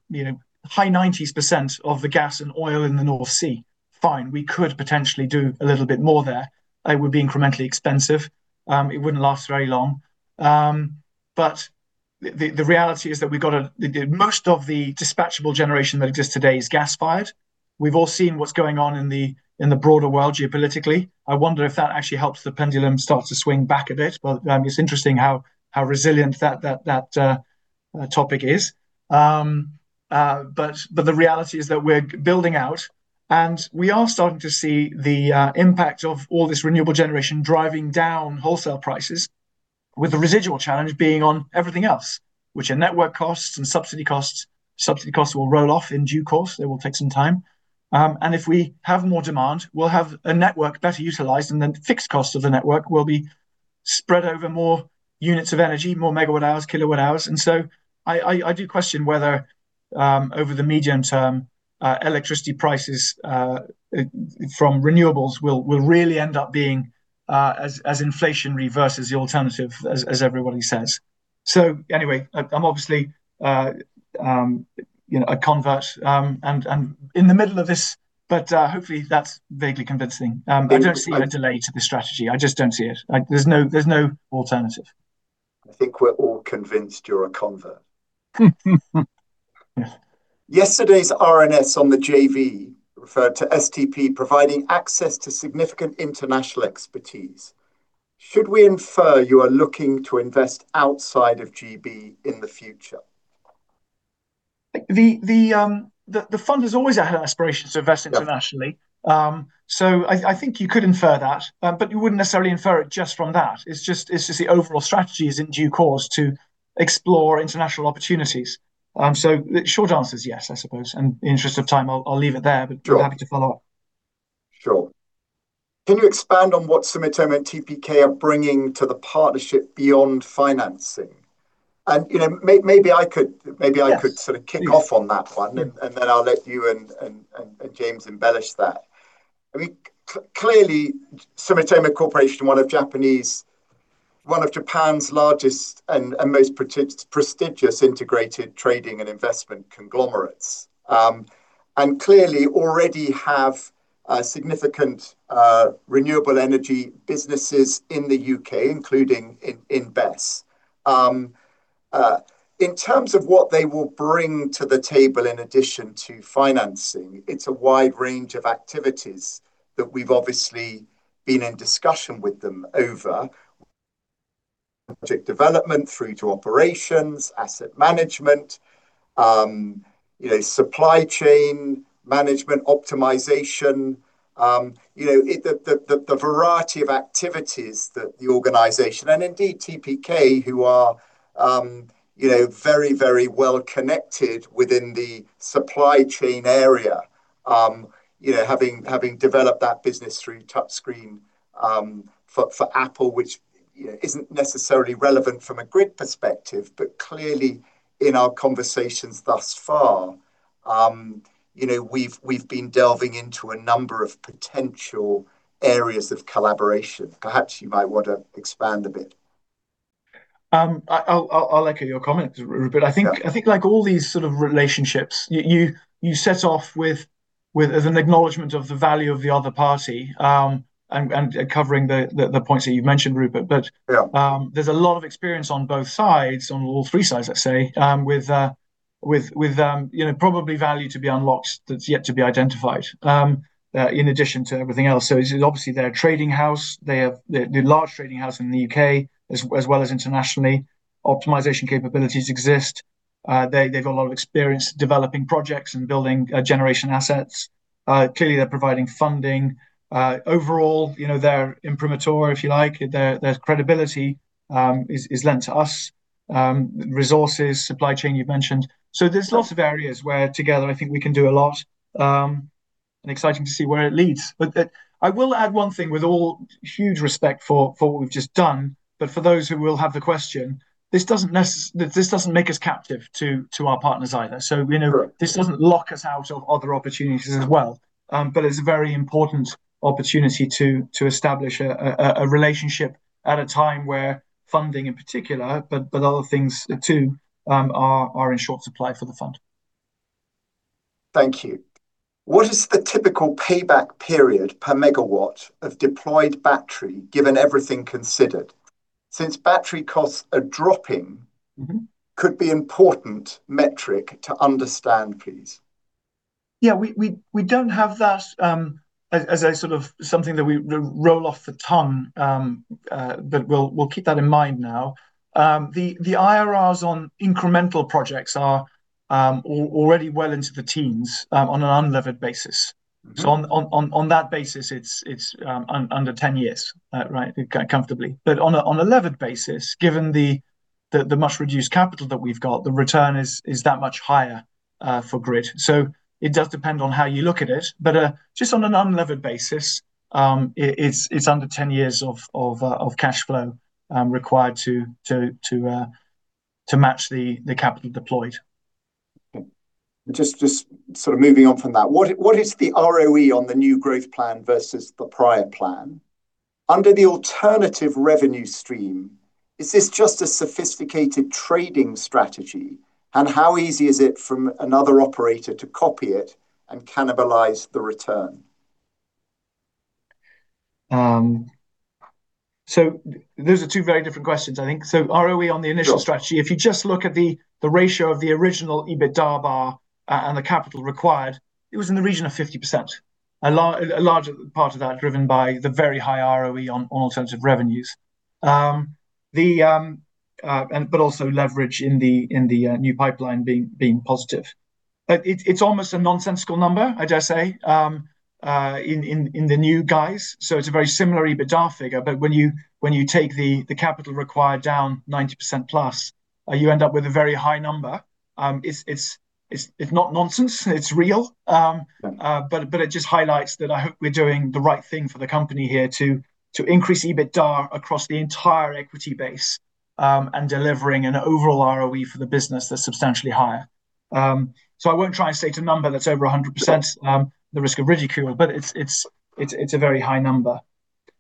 high 90% of the gas and oil in the North Sea. Fine, we could potentially do a little bit more there. It would be incrementally expensive. It wouldn't last very long. The reality is that most of the dispatchable generation that exists today is gas fired. We've all seen what's going on in the broader world geopolitically. I wonder if that actually helps the pendulum start to swing back a bit. It's interesting how resilient that topic is. The reality is that we're building out, and we are starting to see the impact of all this renewable generation driving down wholesale prices. With the residual challenge being on everything else, which are network costs and subsidy costs. Subsidy costs will roll off in due course. They will take some time. If we have more demand, we'll have a network better utilized, and then the fixed cost of the network will be spread over more units of energy, more megawatt hours, kilowatt hours. I do question whether, over the medium term, electricity prices from renewables will really end up being as inflationary versus the alternative as everybody says. Anyway, I'm obviously a convert. In the middle of this, but hopefully that's vaguely convincing. I don't see a delay to the strategy. I just don't see it. There's no alternative. I think we're all convinced you're a convert. Yeah. Yesterday's RNS on the JV referred to STP providing access to significant international expertise. Should we infer you are looking to invest outside of GB in the future? The fund has always had aspirations to invest internationally. I think you could infer that, but you wouldn't necessarily infer it just from that. It's just the overall strategy is in due course to explore international opportunities. The short answer is yes, I suppose, and in the interest of time, I'll leave it there. Sure. Happy to follow up. Sure. Can you expand on what Sumitomo and TPK are bringing to the partnership beyond financing? Yes sort of kick off on that one, and then I'll let you and James embellish that. Clearly, Sumitomo Corporation, one of Japan's largest and most prestigious integrated trading and investment conglomerates, and clearly already have significant renewable energy businesses in the U.K., including in BESS. In terms of what they will bring to the table in addition to financing, it's a wide range of activities that we've obviously been in discussion with them over. Project development through to operations, asset management, supply chain management, optimization. The variety of activities that the organization, and indeed TPK, who are very well connected within the supply chain area, having developed that business through touchscreen, for Apple, which isn't necessarily relevant from a grid perspective, but clearly in our conversations thus far, we've been delving into a number of potential areas of collaboration. Perhaps you might want to expand a bit. I'll echo your comment, Rupert. Yeah. I think, like all these sort of relationships, you set off with an acknowledgment of the value of the other party, and covering the points that you've mentioned, Rupert. Yeah. There's a lot of experience on both sides, on all three sides, I'd say, with probably value to be unlocked that's yet to be identified, in addition to everything else. Obviously, they're a trading house. They're the large trading house in the U.K., as well as internationally. Optimization capabilities exist. They've got a lot of experience developing projects and building generation assets. Clearly, they're providing funding. Overall, their imprimatur, if you like, their credibility, is lent to us. Resources, supply chain, you've mentioned. There's lots of areas where together I think we can do a lot, and exciting to see where it leads. I will add one thing, with all huge respect for what we've just done, but for those who will have the question, this doesn't make us captive to our partners either. Sure. This doesn't lock us out of other opportunities as well. It's a very important opportunity to establish a relationship at a time where funding, in particular, but other things, too, are in short supply for the fund. Thank you. What is the typical payback period per megawatt of deployed battery, given everything considered? Since battery costs are dropping, could be important metric to understand, please. Yeah. We don't have that as a sort of something that we roll off the tongue. We'll keep that in mind now. The IRRs on incremental projects are already well into the teens, on an unlevered basis. On that basis, it's under 10 years. Right? Comfortably. On a levered basis, given the much-reduced capital that we've got, the return is that much higher for GRID. It does depend on how you look at it. Just on an unlevered basis, it's under 10 years of cash flow required to match the capital deployed. Just sort of moving on from that, what is the ROE on the new growth plan versus the prior plan? Under the alternative revenue stream, is this just a sophisticated trading strategy? How easy is it from another operator to copy it and cannibalize the return? Those are two very different questions, I think. ROE on the initial strategy. Sure If you just look at the ratio of the original EBITDA bar, and the capital required, it was in the region of 50%. A large part of that driven by the very high ROE on alternative revenues. Also leverage in the new pipeline being positive. It's almost a nonsensical number, I dare say, in the new guise. It's a very similar EBITDA figure. When you take the capital required down 90% plus, you end up with a very high number. It's not nonsense, it's real. Yeah. It just highlights that I hope we're doing the right thing for the company here to increase EBITDA across the entire equity base, and delivering an overall ROE for the business that's substantially higher. I won't try and state a number that's over 100%, the risk of ridicule, but it's a very high number.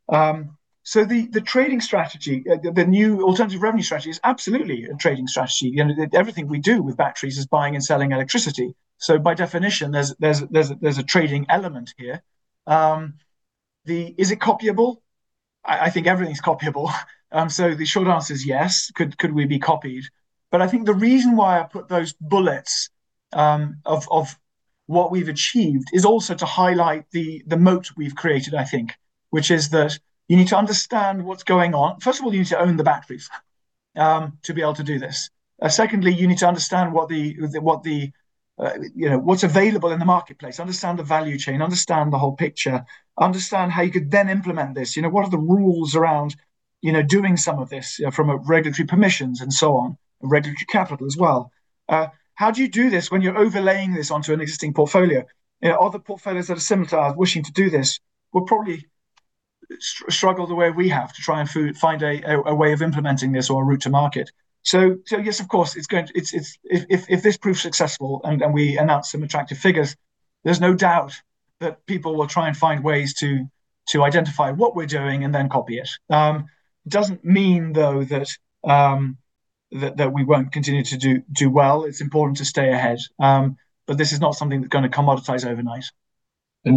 The trading strategy, the new alternative revenue strategy is absolutely a trading strategy. Everything we do with batteries is buying and selling electricity. By definition, there's a trading element here. Is it copyable? I think everything's copyable. The short answer is, yes, could we be copied? I think the reason why I put those bullets of what we've achieved is also to highlight the moat we've created, I think. Which is that you need to understand what's going on. First of all, you need to own the batteries to be able to do this. Secondly, you need to understand what's available in the marketplace, understand the value chain, understand the whole picture, understand how you could then implement this. What are the rules around doing some of this from a regulatory permissions and so on, regulatory capital as well. How do you do this when you're overlaying this onto an existing portfolio? Other portfolios that are similar to ours wishing to do this will probably struggle the way we have to try and find a way of implementing this or a route to market. Yes, of course, if this proves successful and we announce some attractive figures, there's no doubt that people will try and find ways to identify what we're doing and then copy it. Doesn't mean, though, that we won't continue to do well. It's important to stay ahead. This is not something that's going to commoditize overnight.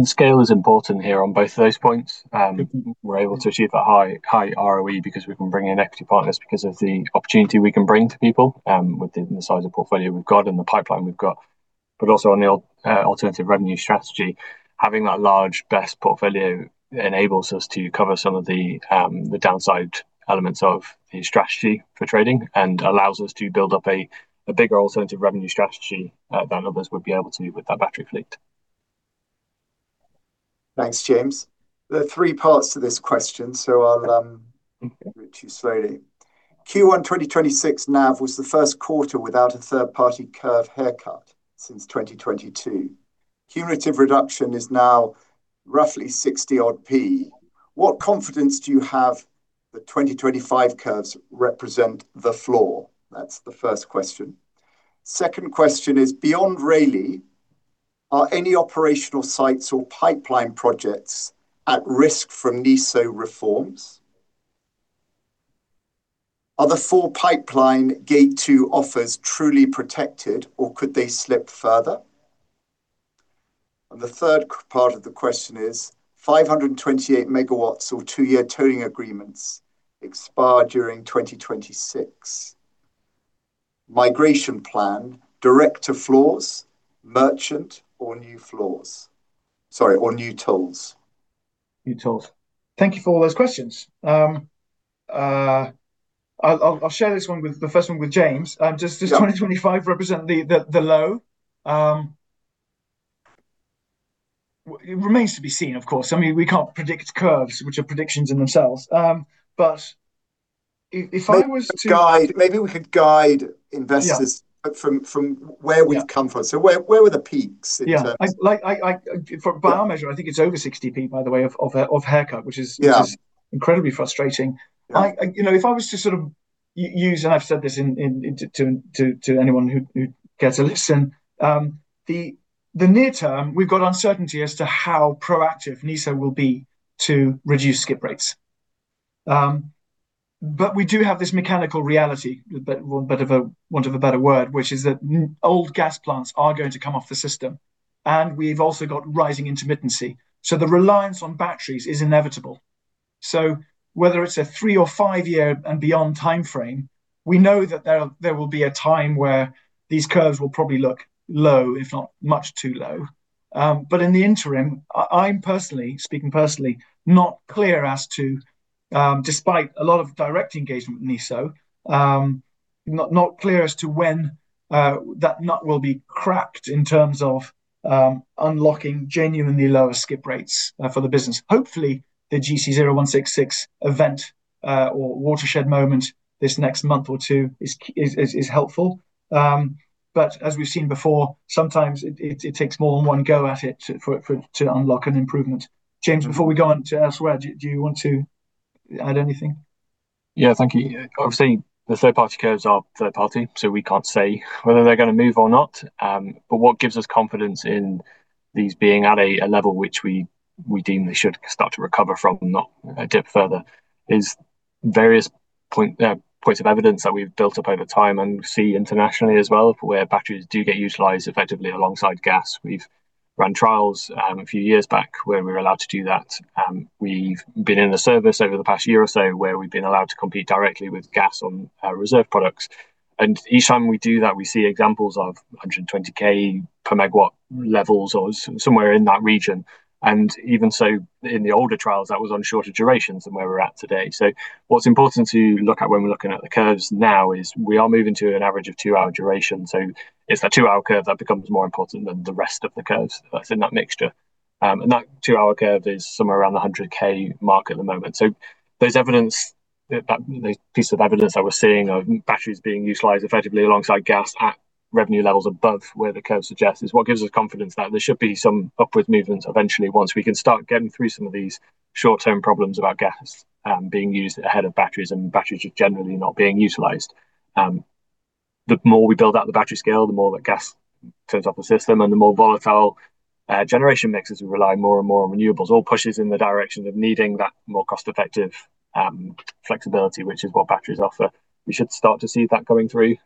Scale is important here on both of those points. We're able to achieve that high ROE because we can bring in equity partners because of the opportunity we can bring to people, with the size of portfolio we've got and the pipeline we've got. Also on the alternative revenue strategy, having that large BESS portfolio enables us to cover some of the downside elements of the strategy for trading, and allows us to build up a bigger alternative revenue strategy than others would be able to with that battery fleet. Thanks, James. There are three parts to this question, so I'll get through to you slowly. Q1 2026 NAV was the first quarter without a third-party curve haircut since 2022. Curve reduction is now roughly 60-odd P. What confidence do you have that 2025 curves represent the floor? That's the first question. Second question is, beyond Rayleigh, are any operational sites or pipeline projects at risk from NESO reforms? Are the full pipeline Gate 2 offers truly protected, or could they slip further? The third part of the question is, 528 MW or two-year tolling agreements expire during 2026. Migration plan, direct to floors, merchant or new floors? Sorry, or new tolls. New tolls. Thank you for all those questions. I'll share the first one with James. Yeah. Does 2025 represent the low? It remains to be seen, of course. We can't predict curves, which are predictions in themselves. Maybe we could guide investors. Yeah from where we've come from. Where were the peaks in terms Yeah. By our measure, I think it's over 0.60, by the way, of haircut, which is. Yeah Incredibly frustrating. Yeah. If I was to sort of use, and I've said this to anyone who'd care to listen, the near term, we've got uncertainty as to how proactive NESO will be to reduce skip rates. We do have this mechanical reality, want of a better word, which is that old gas plants are going to come off the system, and we've also got rising intermittency. The reliance on batteries is inevitable. Whether it's a three or five-year and beyond timeframe, we know that there will be a time where these curves will probably look low, if not much too low. In the interim, I'm personally, speaking personally, not clear as to, despite a lot of direct engagement with NESO, not clear as to when that nut will be cracked in terms of unlocking genuinely lower skip rates for the business. The GC0166 event, or watershed moment this next month or two is helpful. As we've seen before, sometimes it takes more than one go at it to unlock an improvement. James, before we go on to Aswad, do you want to add anything? Yeah. Thank you. Obviously, the third-party curves are third party, so we can't say whether they're going to move or not. What gives us confidence in these being at a level which we deem they should start to recover from and not dip further is various points of evidence that we've built up over time and see internationally as well, where batteries do get utilized effectively alongside gas. We've run trials a few years back where we were allowed to do that. We've been in the service over the past year or so where we've been allowed to compete directly with gas on our reserve products. Each time we do that, we see examples of 120,000/MW levels or somewhere in that region. Even so, in the older trials, that was on shorter durations than where we're at today. What's important to look at when we're looking at the curves now is we are moving to an average of two-hour duration. It's that two-hour curve that becomes more important than the rest of the curves that's in that mixture. That two-hour curve is somewhere around the 100,000 mark at the moment. There's evidence, that piece of evidence that we're seeing of batteries being utilized effectively alongside gas at revenue levels above where the curve suggests is what gives us confidence that there should be some upward movements eventually once we can start getting through some of these short-term problems about gas being used ahead of batteries and batteries just generally not being utilized. The more we build out the battery scale, the more that gas turns off the system and the more volatile generation mixes, we rely more and more on renewables, all pushes in the direction of needing that more cost-effective flexibility, which is what batteries offer. We should start to see that going through,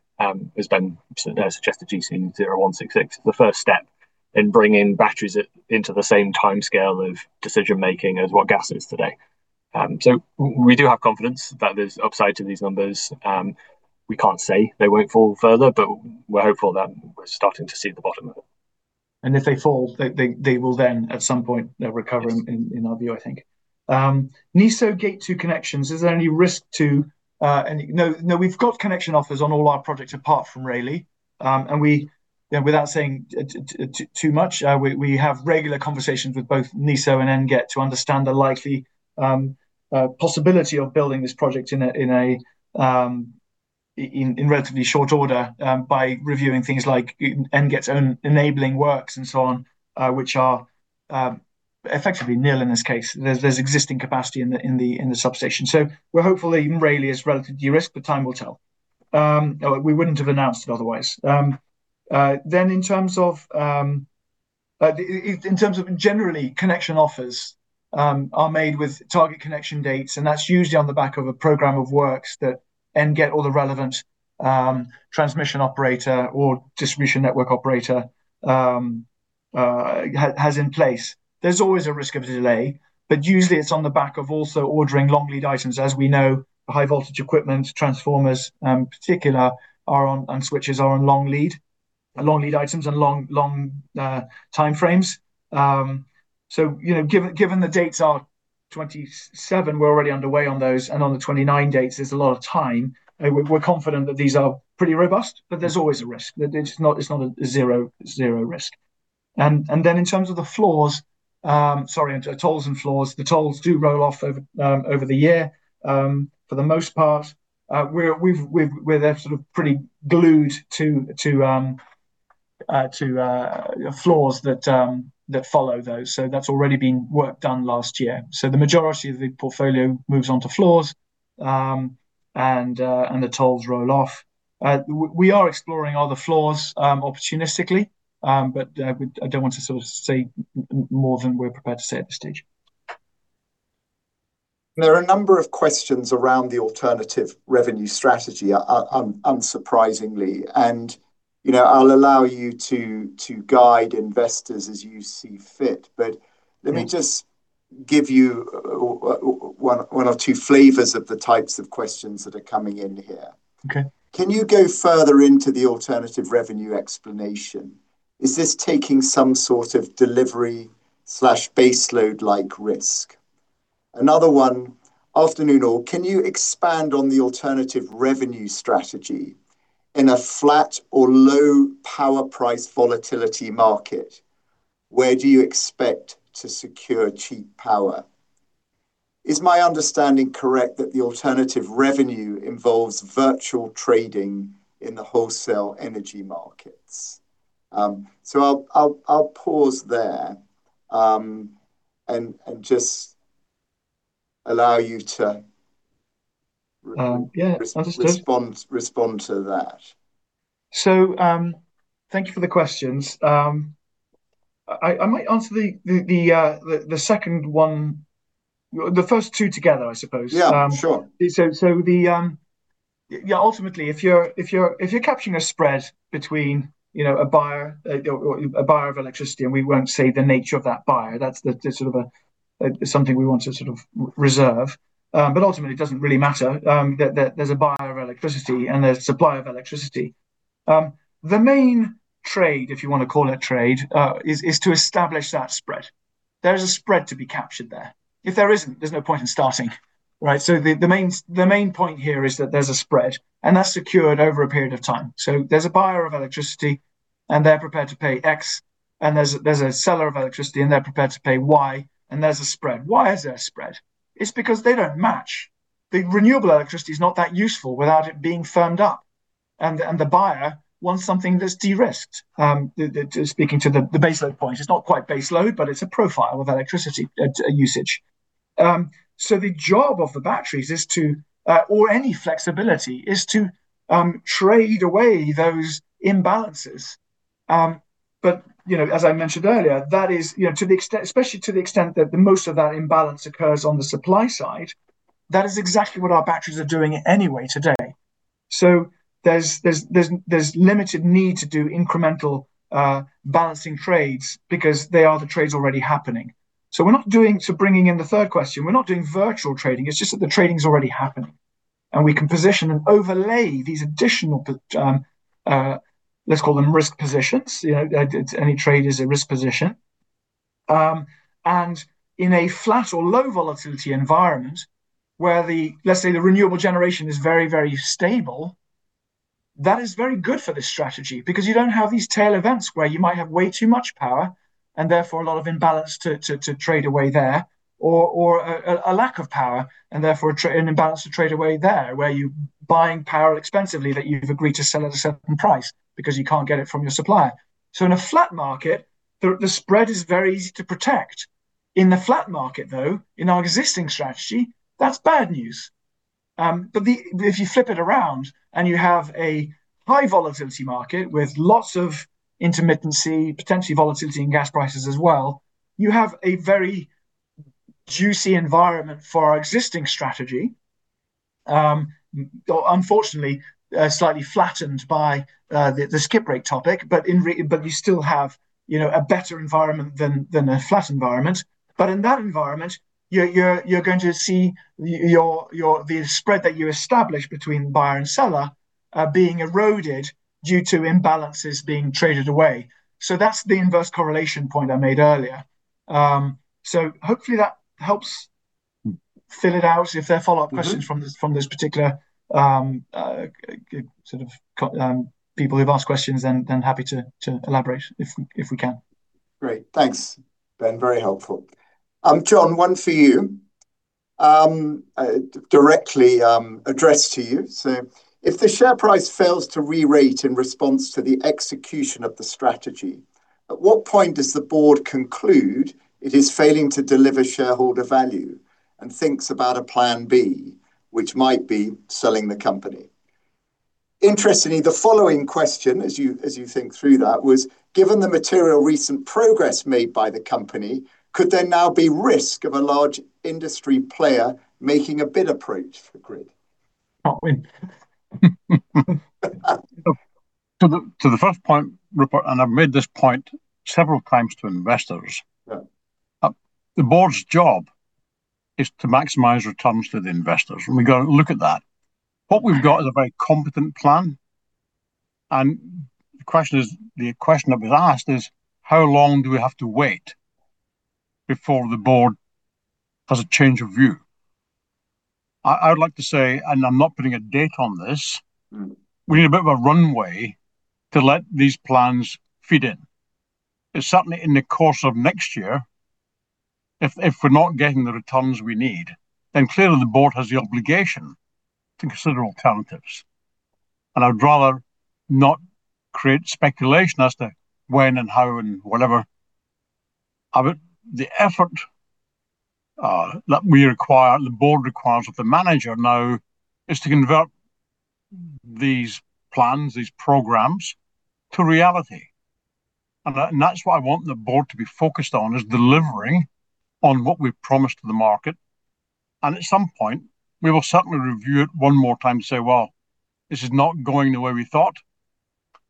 as Ben suggested, GC0166, the first step in bringing batteries into the same timescale of decision-making as what gas is today. We do have confidence that there's upside to these numbers. We can't say they won't fall further, but we're hopeful that we're starting to see the bottom of it. If they fall, they will then at some point recover. Yes NESO Gate 2 connections, is there any risk to? No, we've got connection offers on all our projects apart from Rayleigh. Without saying too much, we have regular conversations with both NESO and NGET to understand the likely possibility of building this project in relatively short order, by reviewing things like NGET's own enabling works and so on, which are effectively nil in this case. There's existing capacity in the substation. We're hopeful that even Rayleigh is relatively de-risked, but time will tell, or we wouldn't have announced it otherwise. In terms of generally, connection offers are made with target connection dates, and that's usually on the back of a program of works that NGET or the relevant transmission operator or distribution network operator has in place. There's always a risk of a delay, usually it's on the back of also ordering long lead items. As we know, high voltage equipment, transformers in particular, and switches are on long lead items and long time frames. Given the dates are 2027, we're already underway on those, and on the 2029 dates, there's a lot of time. We're confident that these are pretty robust, there's always a risk. It's not a zero risk. In terms of the floors, sorry, tolls and floors, the tolls do roll off over the year. For the most part, they're sort of pretty glued to floors that follow those. That's already been work done last year. The majority of the portfolio moves onto floors, and the tolls roll off. We are exploring other floors opportunistically, but I don't want to sort of say more than we're prepared to say at this stage. There are a number of questions around the alternative revenue strategy, unsurprisingly. I'll allow you to guide investors as you see fit. Let me just give you one or two flavors of the types of questions that are coming in here. Okay. Can you go further into the alternative revenue explanation? Is this taking some sort of delivery/baseload-like risk? Another one, afternoon all, can you expand on the alternative revenue strategy in a flat or low power price volatility market? Where do you expect to secure cheap power? Is my understanding correct that the alternative revenue involves virtual trading in the wholesale energy markets? I'll pause there, and just allow you. Yeah. Understood. respond to that. Thank you for the questions. I might answer the second one, the first two together, I suppose. Yeah, sure. Yeah, ultimately, if you're capturing a spread between a buyer of electricity and we won't say the nature of that buyer, that's something we want to sort of reserve, but ultimately, it doesn't really matter, that there's a buyer of electricity, and there's supply of electricity. The main trade, if you want to call it trade, is to establish that spread. There is a spread to be captured there. If there isn't, there's no point in starting, right? The main point here is that there's a spread, and that's secured over a period of time. There's a buyer of electricity, and they're prepared to pay X, and there's a seller of electricity, and they're prepared to pay Y, and there's a spread. Why is there a spread? It's because they don't match. The renewable electricity is not that useful without it being firmed up, and the buyer wants something that's de-risked. Speaking to the baseload point, it's not quite baseload, but it's a profile of electricity usage. The job of the batteries is to, or any flexibility, trade away those imbalances. As I mentioned earlier, especially to the extent that the most of that imbalance occurs on the supply side, that is exactly what our batteries are doing anyway today. There's limited need to do incremental balancing trades because they are the trades already happening. Bringing in the third question, we're not doing virtual trading, it's just that the trading's already happening, and we can position and overlay these additional, let's call them risk positions. Any trade is a risk position. In a flat or low volatility environment, where let's say the renewable generation is very, very stable. That is very good for this strategy because you don't have these tail events where you might have way too much power, and therefore a lot of imbalance to trade away there, or a lack of power, and therefore an imbalance to trade away there, where you're buying power expensively that you've agreed to sell at a certain price because you can't get it from your supplier. In a flat market, the spread is very easy to protect. In the flat market though, in our existing strategy, that's bad news. If you flip it around and you have a high volatility market with lots of intermittency, potentially volatility in gas prices as well, you have a very juicy environment for our existing strategy. Unfortunately, slightly flattened by the skip rate topic, but you still have a better environment than a flat environment. In that environment, you're going to see the spread that you establish between buyer and seller being eroded due to imbalances being traded away. That's the inverse correlation point I made earlier. Hopefully that helps fill it out. If there are follow-up questions. Those particular people who've asked questions, then happy to elaborate if we can. Great. Thanks, Ben. Very helpful. John, one for you, directly addressed to you. If the share price fails to re-rate in response to the execution of the strategy, at what point does the board conclude it is failing to deliver shareholder value and thinks about a plan B, which might be selling the company? Interestingly, the following question, as you think through that, was, given the material recent progress made by the company, could there now be risk of a large industry player making a bid approach for GRID? To the first point, Rupert, and I've made this point several times to investors. Yeah The board's job is to maximize returns to the investors, and we've got to look at that. What we've got is a very competent plan, and the question that was asked is how long do we have to wait before the board has a change of view? I would like to say, and I'm not putting a date on this. we need a bit of a runway to let these plans fit in. It's certainly in the course of next year, if we're not getting the returns we need, then clearly the board has the obligation to consider alternatives, and I'd rather not create speculation as to when and how and whatever of it. The effort that the board requires of the manager now is to convert these plans, these programs to reality, and that's what I want the board to be focused on, is delivering on what we've promised to the market. At some point, we will certainly review it one more time to say, "Well, this is not going the way we thought.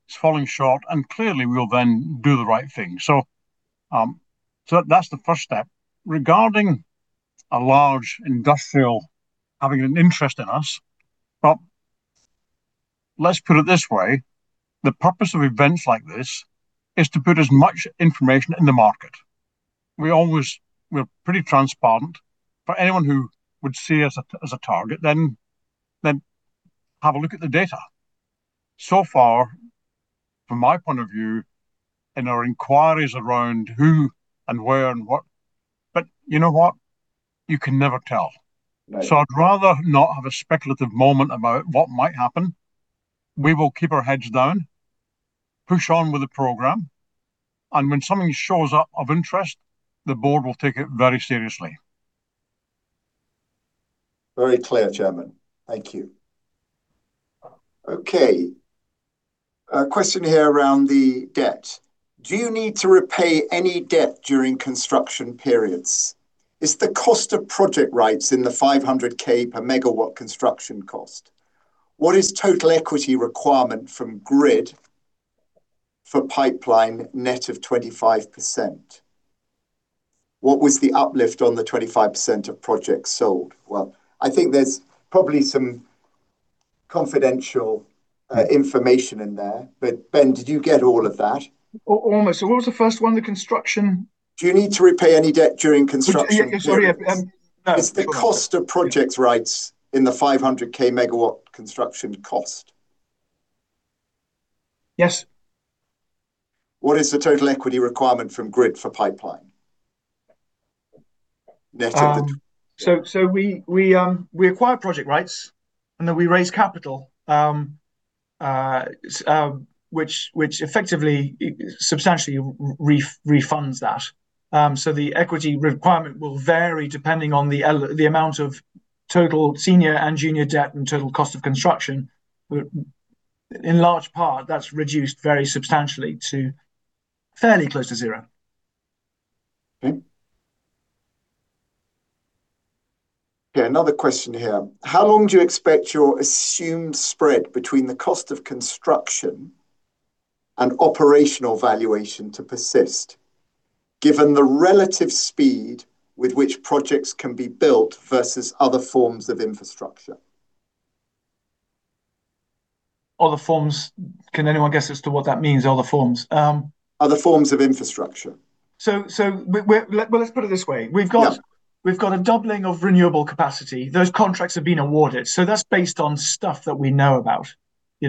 It's falling short," and clearly we'll then do the right thing. That's the first step. Regarding a large industrial having an interest in us, well, let's put it this way, the purpose of events like this is to put as much information in the market. We're pretty transparent for anyone who would see us as a target, then have a look at the data. From my point of view, in our inquiries around who and where and what, you know what. You can never tell. Right. I'd rather not have a speculative moment about what might happen. We will keep our heads down, push on with the program, and when something shows up of interest, the board will take it very seriously. Very clear, Chairman. Thank you. A question here around the debt. Do you need to repay any debt during construction periods? Is the cost of project rights in the 500,000/MW construction cost? What is total equity requirement from GRID for pipeline net of 25%? What was the uplift on the 25% of projects sold? Well, I think there's probably some confidential information in there, but Ben, did you get all of that? Almost. What was the first one? Do you need to repay any debt during construction periods? Sorry. No. Is the cost of projects right in the 500,000 MW construction cost? Yes. What is the total equity requirement from GRID for pipeline? We acquire project rights, and then we raise capital, which effectively, substantially refunds that. The equity requirement will vary depending on the amount of total senior and junior debt, and total cost of construction. In large part, that's reduced very substantially to fairly close to zero. Okay, another question here. How long do you expect your assumed spread between the cost of construction and operational valuation to persist, given the relative speed with which projects can be built versus other forms of infrastructure? Other forms. Can anyone guess as to what that means, other forms? Other forms of infrastructure. Let's put it this way. We've got a doubling of renewable capacity. Those contracts have been awarded, that's based on stuff that we know about,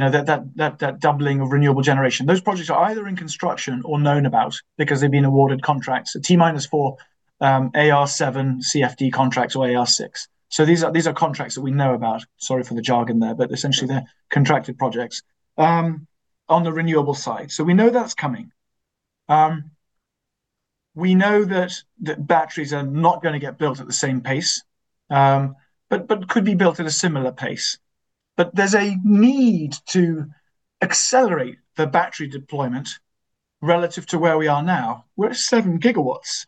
that doubling of renewable generation. Those projects are either in construction or known about because they've been awarded contracts, T-4, AR7, CFD contracts or AR6. These are contracts that we know about. Sorry for the jargon there, essentially they're contracted projects on the renewable side. We know that's coming. We know that batteries are not going to get built at the same pace, could be built at a similar pace. There's a need to accelerate the battery deployment relative to where we are now. We're at 7 GW.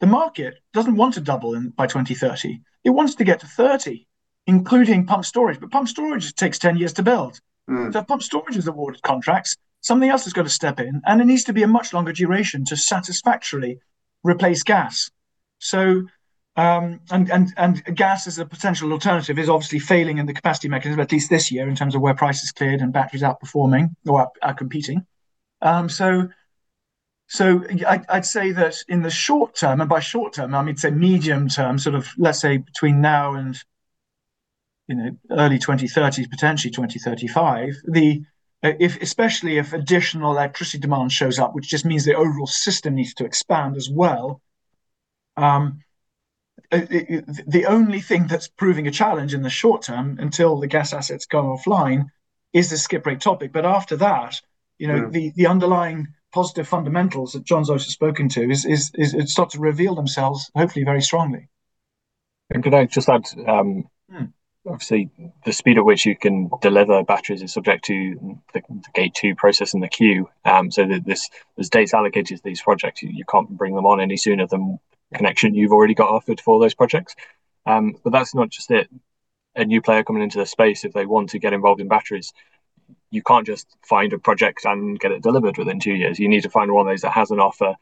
The market doesn't want to double by 2030. It wants to get to 30, including pump storage, pump storage takes 10 years to build. If pump storage is awarded contracts, something else has got to step in, and it needs to be a much longer duration to satisfactorily replace gas. Gas as a potential alternative is obviously failing in the Capacity Market, at least this year, in terms of where price has cleared and batteries outperforming or are competing. I'd say that in the short-term, and by short-term, I mean say medium term, let's say between now and early 2030, potentially 2035, especially if additional electricity demand shows up, which just means the overall system needs to expand as well, the only thing that's proving a challenge in the short-term, until the gas assets go offline, is the skip rate topic. After that. Yeah The underlying positive fundamentals that John's also spoken to, start to reveal themselves hopefully very strongly. And could I just add. Obviously, the speed at which you can deliver batteries is subject to the Gate 2 process and the queue. That there's dates allocated to these projects. You can't bring them on any sooner than connection you've already got offered for those projects. That's not just it. A new player coming into the space, if they want to get involved in batteries, you can't just find a project and get it delivered within two years. You need to find one of those that has an offer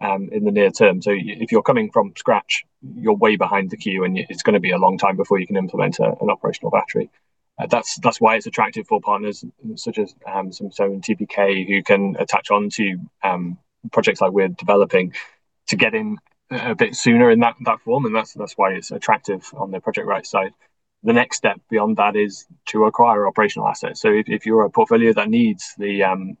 in the near term. If you're coming from scratch, you're way behind the queue, and it's going to be a long time before you can implement an operational battery. That's why it's attractive for partners such as Sumitomo and TPK, who can attach onto projects like we're developing to get in a bit sooner in that form, and that's why it's attractive on the project right side. The next step beyond that is to acquire operational assets. If you're a portfolio that needs the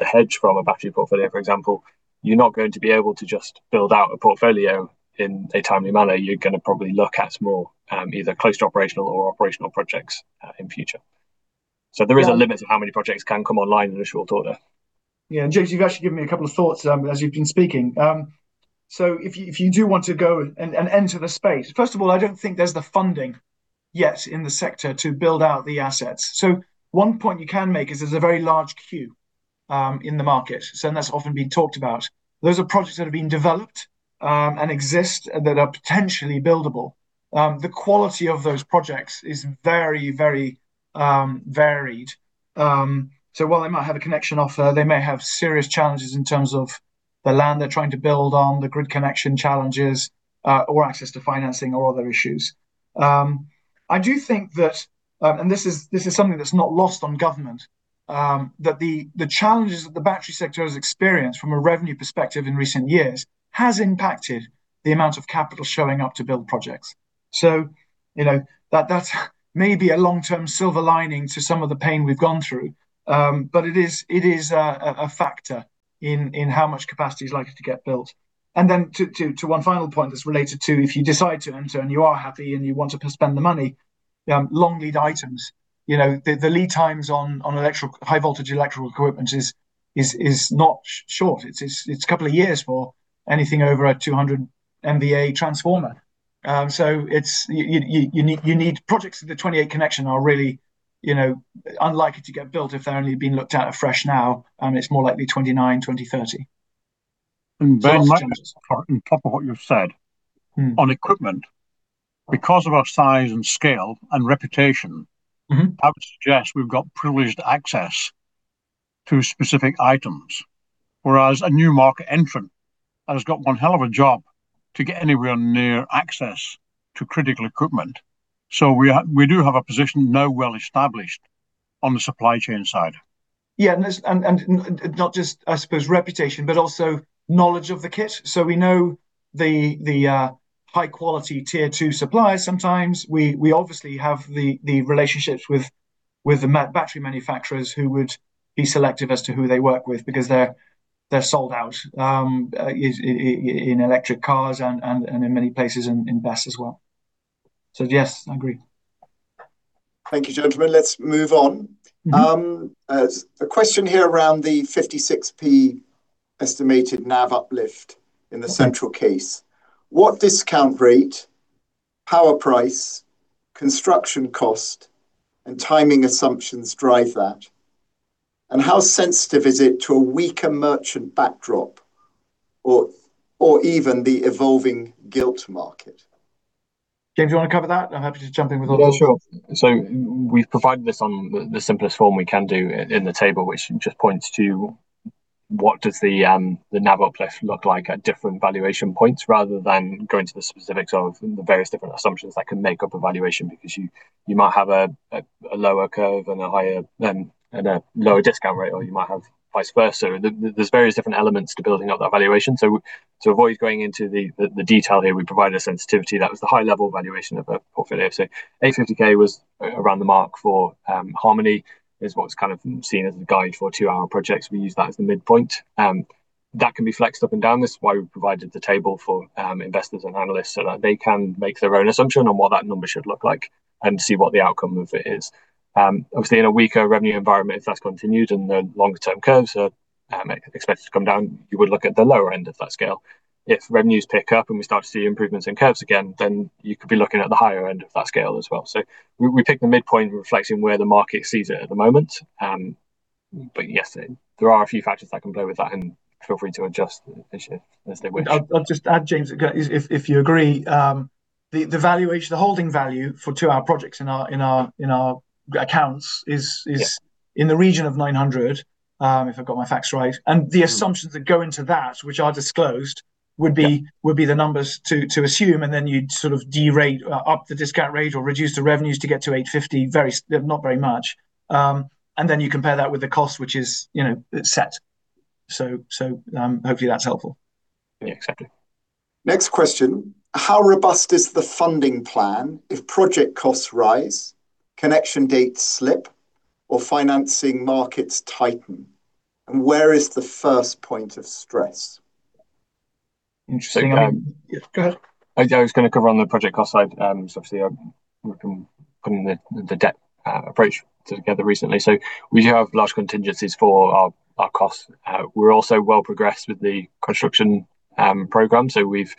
hedge from a battery portfolio, for example, you're not going to be able to just build out a portfolio in a timely manner. You're going to probably look at more either closed operational or operational projects in future. Yeah a limit to how many projects can come online in a short order. Yeah. James, you've actually given me a couple of thoughts as you've been speaking. If you do want to go and enter the space, first of all, I don't think there's the funding yet in the sector to build out the assets. One point you can make is there's a very large queue in the market, and that's often been talked about. Those are projects that have been developed and exist that are potentially buildable. The quality of those projects is very, very varied. While they might have a connection offer, they may have serious challenges in terms of the land they're trying to build on, the grid connection challenges, or access to financing or other issues. I do think that, and this is something that's not lost on government, that the challenges that the battery sector has experienced from a revenue perspective in recent years has impacted the amount of capital showing up to build projects. That's maybe a long-term silver lining to some of the pain we've gone through, but it is a factor in how much capacity is likely to get built. Then to one final point that's related to if you decide to enter and you are happy and you want to spend the money, long lead items. The lead times on high voltage electrical equipment is not short. It's a couple of years for anything over a 200 MVA transformer. You need projects for the 2028 connection are really unlikely to get built if they're only being looked at afresh now, and it's more likely 2029, 2035. And Ben- So- just on top of what you've said. On equipment, because of our size and scale and reputation. I would suggest we've got privileged access to specific items. Whereas a new market entrant has got one hell of a job to get anywhere near access to critical equipment. We do have a position now well-established on the supply chain side. Not just, I suppose, reputation, but also knowledge of the kit, so we know the high-quality Tier 2 suppliers sometimes. We obviously have the relationships with the battery manufacturers who would be selective as to who they work with because they're sold out in electric cars and in many places in BEVs as well. Yes, I agree. Thank you, gentlemen. Let's move on. There's a question here around the 0.56 estimated NAV uplift in the central case. What discount rate, power price, construction cost, and timing assumptions drive that? How sensitive is it to a weaker merchant backdrop or even the evolving gilt market? James, do you want to cover that? I'm happy to jump in. Yeah, sure. We've provided this on the simplest form we can do in the table, which just points to. What does the NAV uplift look like at different valuation points rather than going to the specifics of the various different assumptions that can make up a valuation because you might have a lower curve and a lower discount rate, or you might have vice versa. There's various different elements to building up that valuation. To avoid going into the detail here, we provided a sensitivity that was the high-level valuation of a portfolio. 850K was around the mark for Harmony, is what's kind of seen as a guide for two-hour projects. We use that as the midpoint. That can be flexed up and down. This is why we provided the table for investors and analysts so that they can make their own assumption on what that number should look like and see what the outcome of it is. Obviously, in a weaker revenue environment, if that's continued and the longer-term curves are expected to come down, you would look at the lower end of that scale. If revenues pick up and we start to see improvements in curves again, you could be looking at the higher end of that scale as well. We pick the midpoint reflecting where the market sees it at the moment. Yes, there are a few factors that can play with that, and feel free to adjust as they wish. I'll just add, James, if you agree, the valuation, the holding value for two-hour projects in our accounts- Yeah is in the region of 900, if I've got my facts right. The assumptions that go into that, which are disclosed, would be. Yeah the numbers to assume, then you'd sort of derate, up the discount rate, or reduce the revenues to get to 850, not very much. Then you compare that with the cost, which is set. Hopefully that's helpful. Yeah, exactly. Next question, how robust is the funding plan if project costs rise, connection dates slip, or financing markets tighten? Where is the first point of stress? Interesting. Yeah. Go ahead. I was going to cover on the project cost side. Obviously I've been putting the debt approach together recently. We do have large contingencies for our costs. We're also well progressed with the construction program, so we've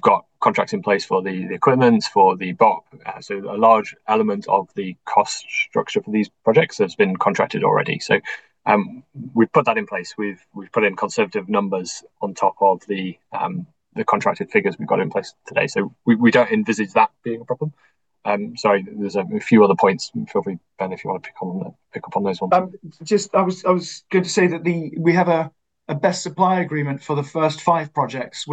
got contracts in place for the equipment, for the BOP. A large element of the cost structure for these projects has been contracted already. We've put that in place. We've put in conservative numbers on top of the contracted figures we've got in place today. We don't envisage that being a problem. Sorry, there's a few other points. Feel free, Ben, if you want to pick up on those ones. I was going to say that we have a BESS supply agreement for the first five projects,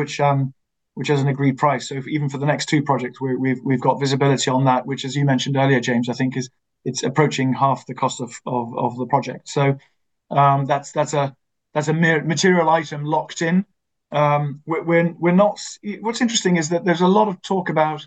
which has an agreed price. Even for the next two projects, we've got visibility on that, which, as you mentioned earlier, James, I think it's approaching half the cost of the project. That's a material item locked in. What's interesting is that there's a lot of talk about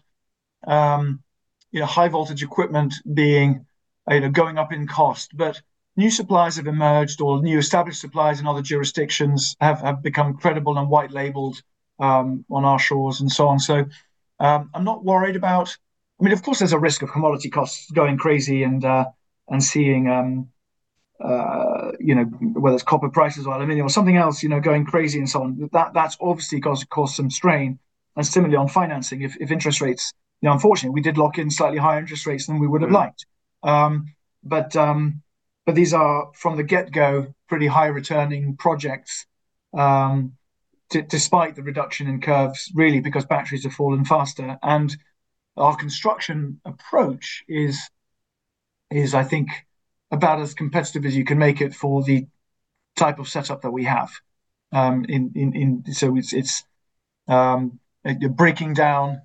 high-voltage equipment going up in cost, but new suppliers have emerged, or new established suppliers in other jurisdictions have become credible and white labeled on our shores and so on. I'm not worried about, but of course, there's a risk of commodity costs going crazy and seeing whether it's copper prices or aluminum or something else going crazy and so on. That's obviously caused some strain. Similarly, on financing, if interest rates, unfortunately, we did lock in slightly higher interest rates than we would've liked. These are, from the get-go, pretty high-returning projects, despite the reduction in curves, really because batteries have fallen faster. Our construction approach is, I think, about as competitive as you can make it for the type of setup that we have. It's breaking down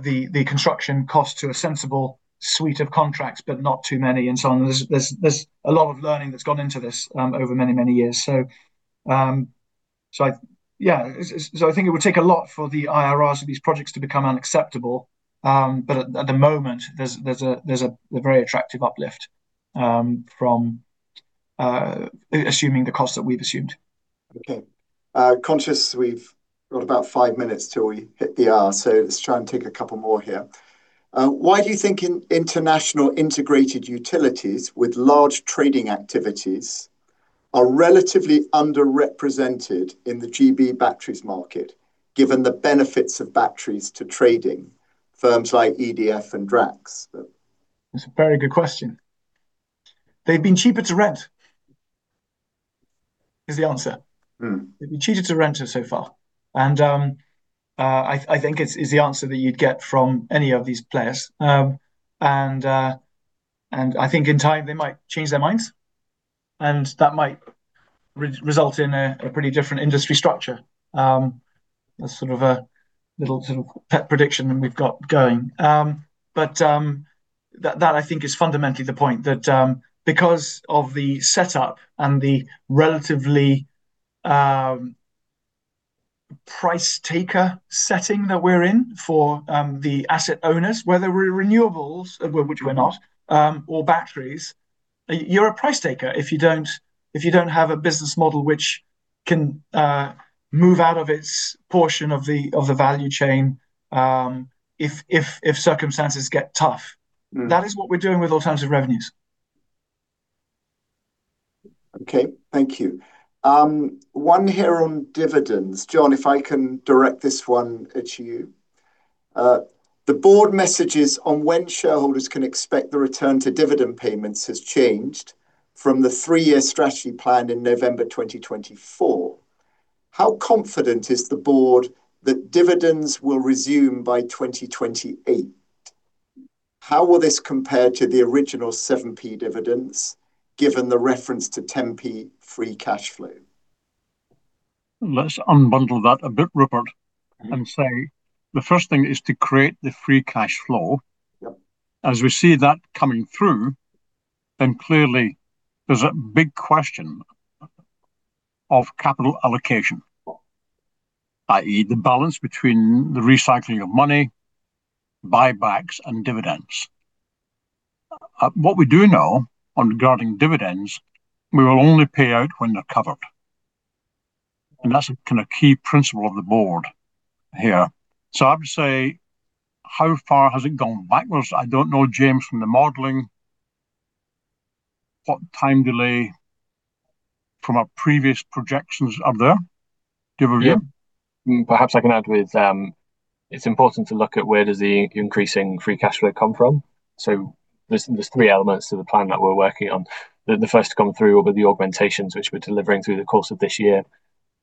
the construction cost to a sensible suite of contracts, but not too many and so on. There's a lot of learning that's gone into this over many, many years. I think it would take a lot for the IRRs of these projects to become unacceptable. At the moment, there's a very attractive uplift from assuming the cost that we've assumed. Okay. Conscious we've got about five minutes till we hit the hour, so let's try and take a couple more here. Why do you think international integrated utilities with large trading activities are relatively underrepresented in the GB batteries market, given the benefits of batteries to trading, firms like EDF and Drax? That's a very good question. They've been cheaper to rent, is the answer. They've been cheaper to rent so far, and I think it's the answer that you'd get from any of these players. I think in time they might change their minds, and that might result in a pretty different industry structure. That's sort of a little pet prediction that we've got going. That I think is fundamentally the point, that because of the setup and the relatively price taker setting that we're in for the asset owners, whether we're renewables, which we're not, or batteries, you're a price taker if you don't have a business model which can move out of its portion of the value chain, if circumstances get tough. That is what we're doing with alternative revenues. Okay. Thank you. One here on dividends. John, if I can direct this one at you. The board messages on when shareholders can expect the return to dividend payments has changed from the three-year strategy plan in November 2024. How confident is the board that dividends will resume by 2028? How will this compare to the original 0.07 dividends, given the reference to 0.10 free cash flow? Let's unbundle that a bit, Rupert, and say the first thing is to create the free cash flow. Yep. As we see that coming through, then clearly there's a big question of capital allocation. Cool. I.e., the balance between the recycling of money, buybacks and dividends. What we do know regarding dividends, we will only pay out when they're covered, and that's a kind of key principle of the board here. I would say, how far has it gone backwards? I don't know, James, from the modeling, what time delay from our previous projections are there? Do you have a view? Yeah. Perhaps I can add with, it's important to look at where does the increasing free cash flow come from. There's three elements to the plan that we're working on. The first to come through will be the augmentations which we're delivering through the course of this year.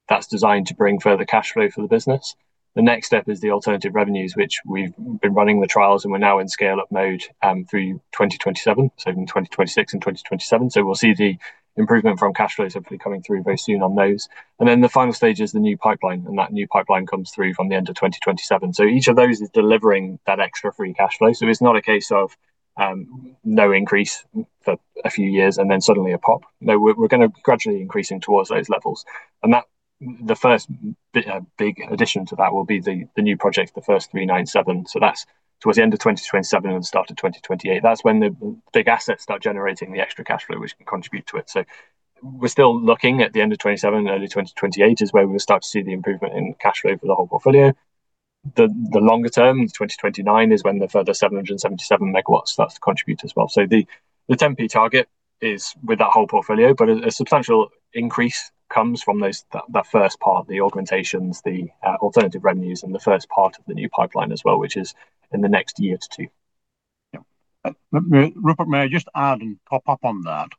That's designed to bring further cash flow for the business. The next step is the alternative revenues, which we've been running the trials, and we're now in scale-up mode, through 2027, so in 2026 and 2027. We'll see the improvement from cash flows hopefully coming through very soon on those. The final stage is the new pipeline, and that new pipeline comes through from the end of 2027. Each of those is delivering that extra free cash flow, so it's not a case of no increase for a few years and then suddenly a pop. No, we're going to gradually increasing towards those levels. The first big addition to that will be the new projects, the first 397, so that's towards the end of 2027 and start of 2028. That's when the big assets start generating the extra cash flow which can contribute to it. We're still looking at the end of 2027, early 2028 is where we'll start to see the improvement in cash flow for the whole portfolio. The longer term, 2029, is when the further 777 MW starts to contribute as well. The 0.10 target is with that whole portfolio, but a substantial increase comes from that first part, the augmentations, the alternative revenues, and the first part of the new pipeline as well, which is in the next year to two. Yep. Rupert, may I just add and pop up on that?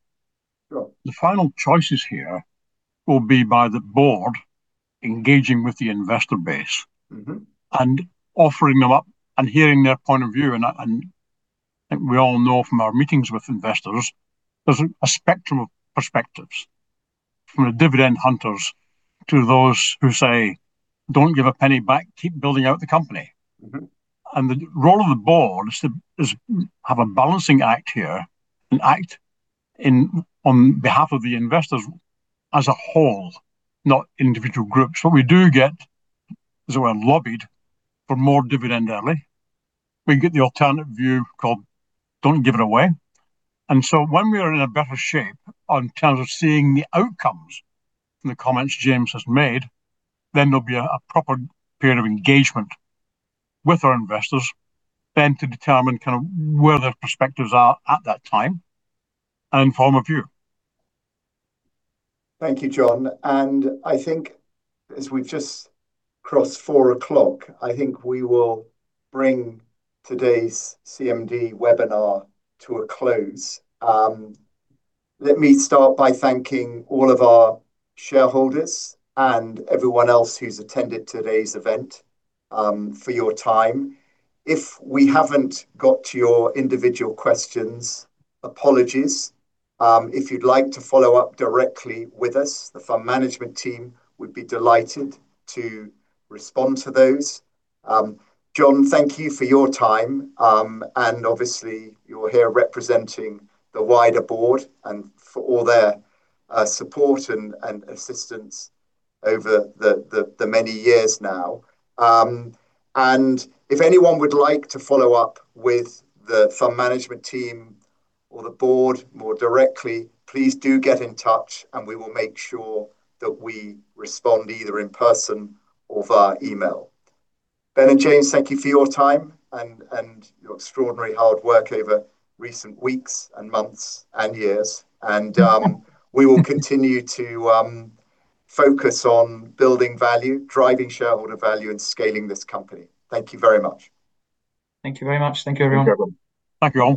Sure. The final choices here will be by the board engaging with the investor base. Offering them up and hearing their point of view. I think we all know from our meetings with investors, there's a spectrum of perspectives, from the dividend hunters to those who say, "Don't give a penny back. Keep building out the company. The role of the board is have a balancing act here and act on behalf of the investors as a whole, not individual groups. What we do get is we're lobbied for more dividend early. We get the alternate view called don't give it away. When we are in a better shape in terms of seeing the outcomes from the comments James has made, there'll be a proper period of engagement with our investors then to determine kind of where their perspectives are at that time and inform a view. Thank you, John. I think as we've just crossed 4:00 P.M., I think we will bring today's CMD webinar to a close. Let me start by thanking all of our shareholders and everyone else who's attended today's event, for your time. If we haven't got to your individual questions, apologies. If you'd like to follow up directly with us, the fund management team would be delighted to respond to those. John, thank you for your time. Obviously, you're here representing the wider board and for all their support and assistance over the many years now. If anyone would like to follow up with the fund management team or the board more directly, please do get in touch, and we will make sure that we respond either in person or via email. Ben and James, thank you for your time and your extraordinary hard work over recent weeks and months and years. We will continue to focus on building value, driving shareholder value, and scaling this company. Thank you very much. Thank you very much. Thank you, everyone. Thank you, everyone.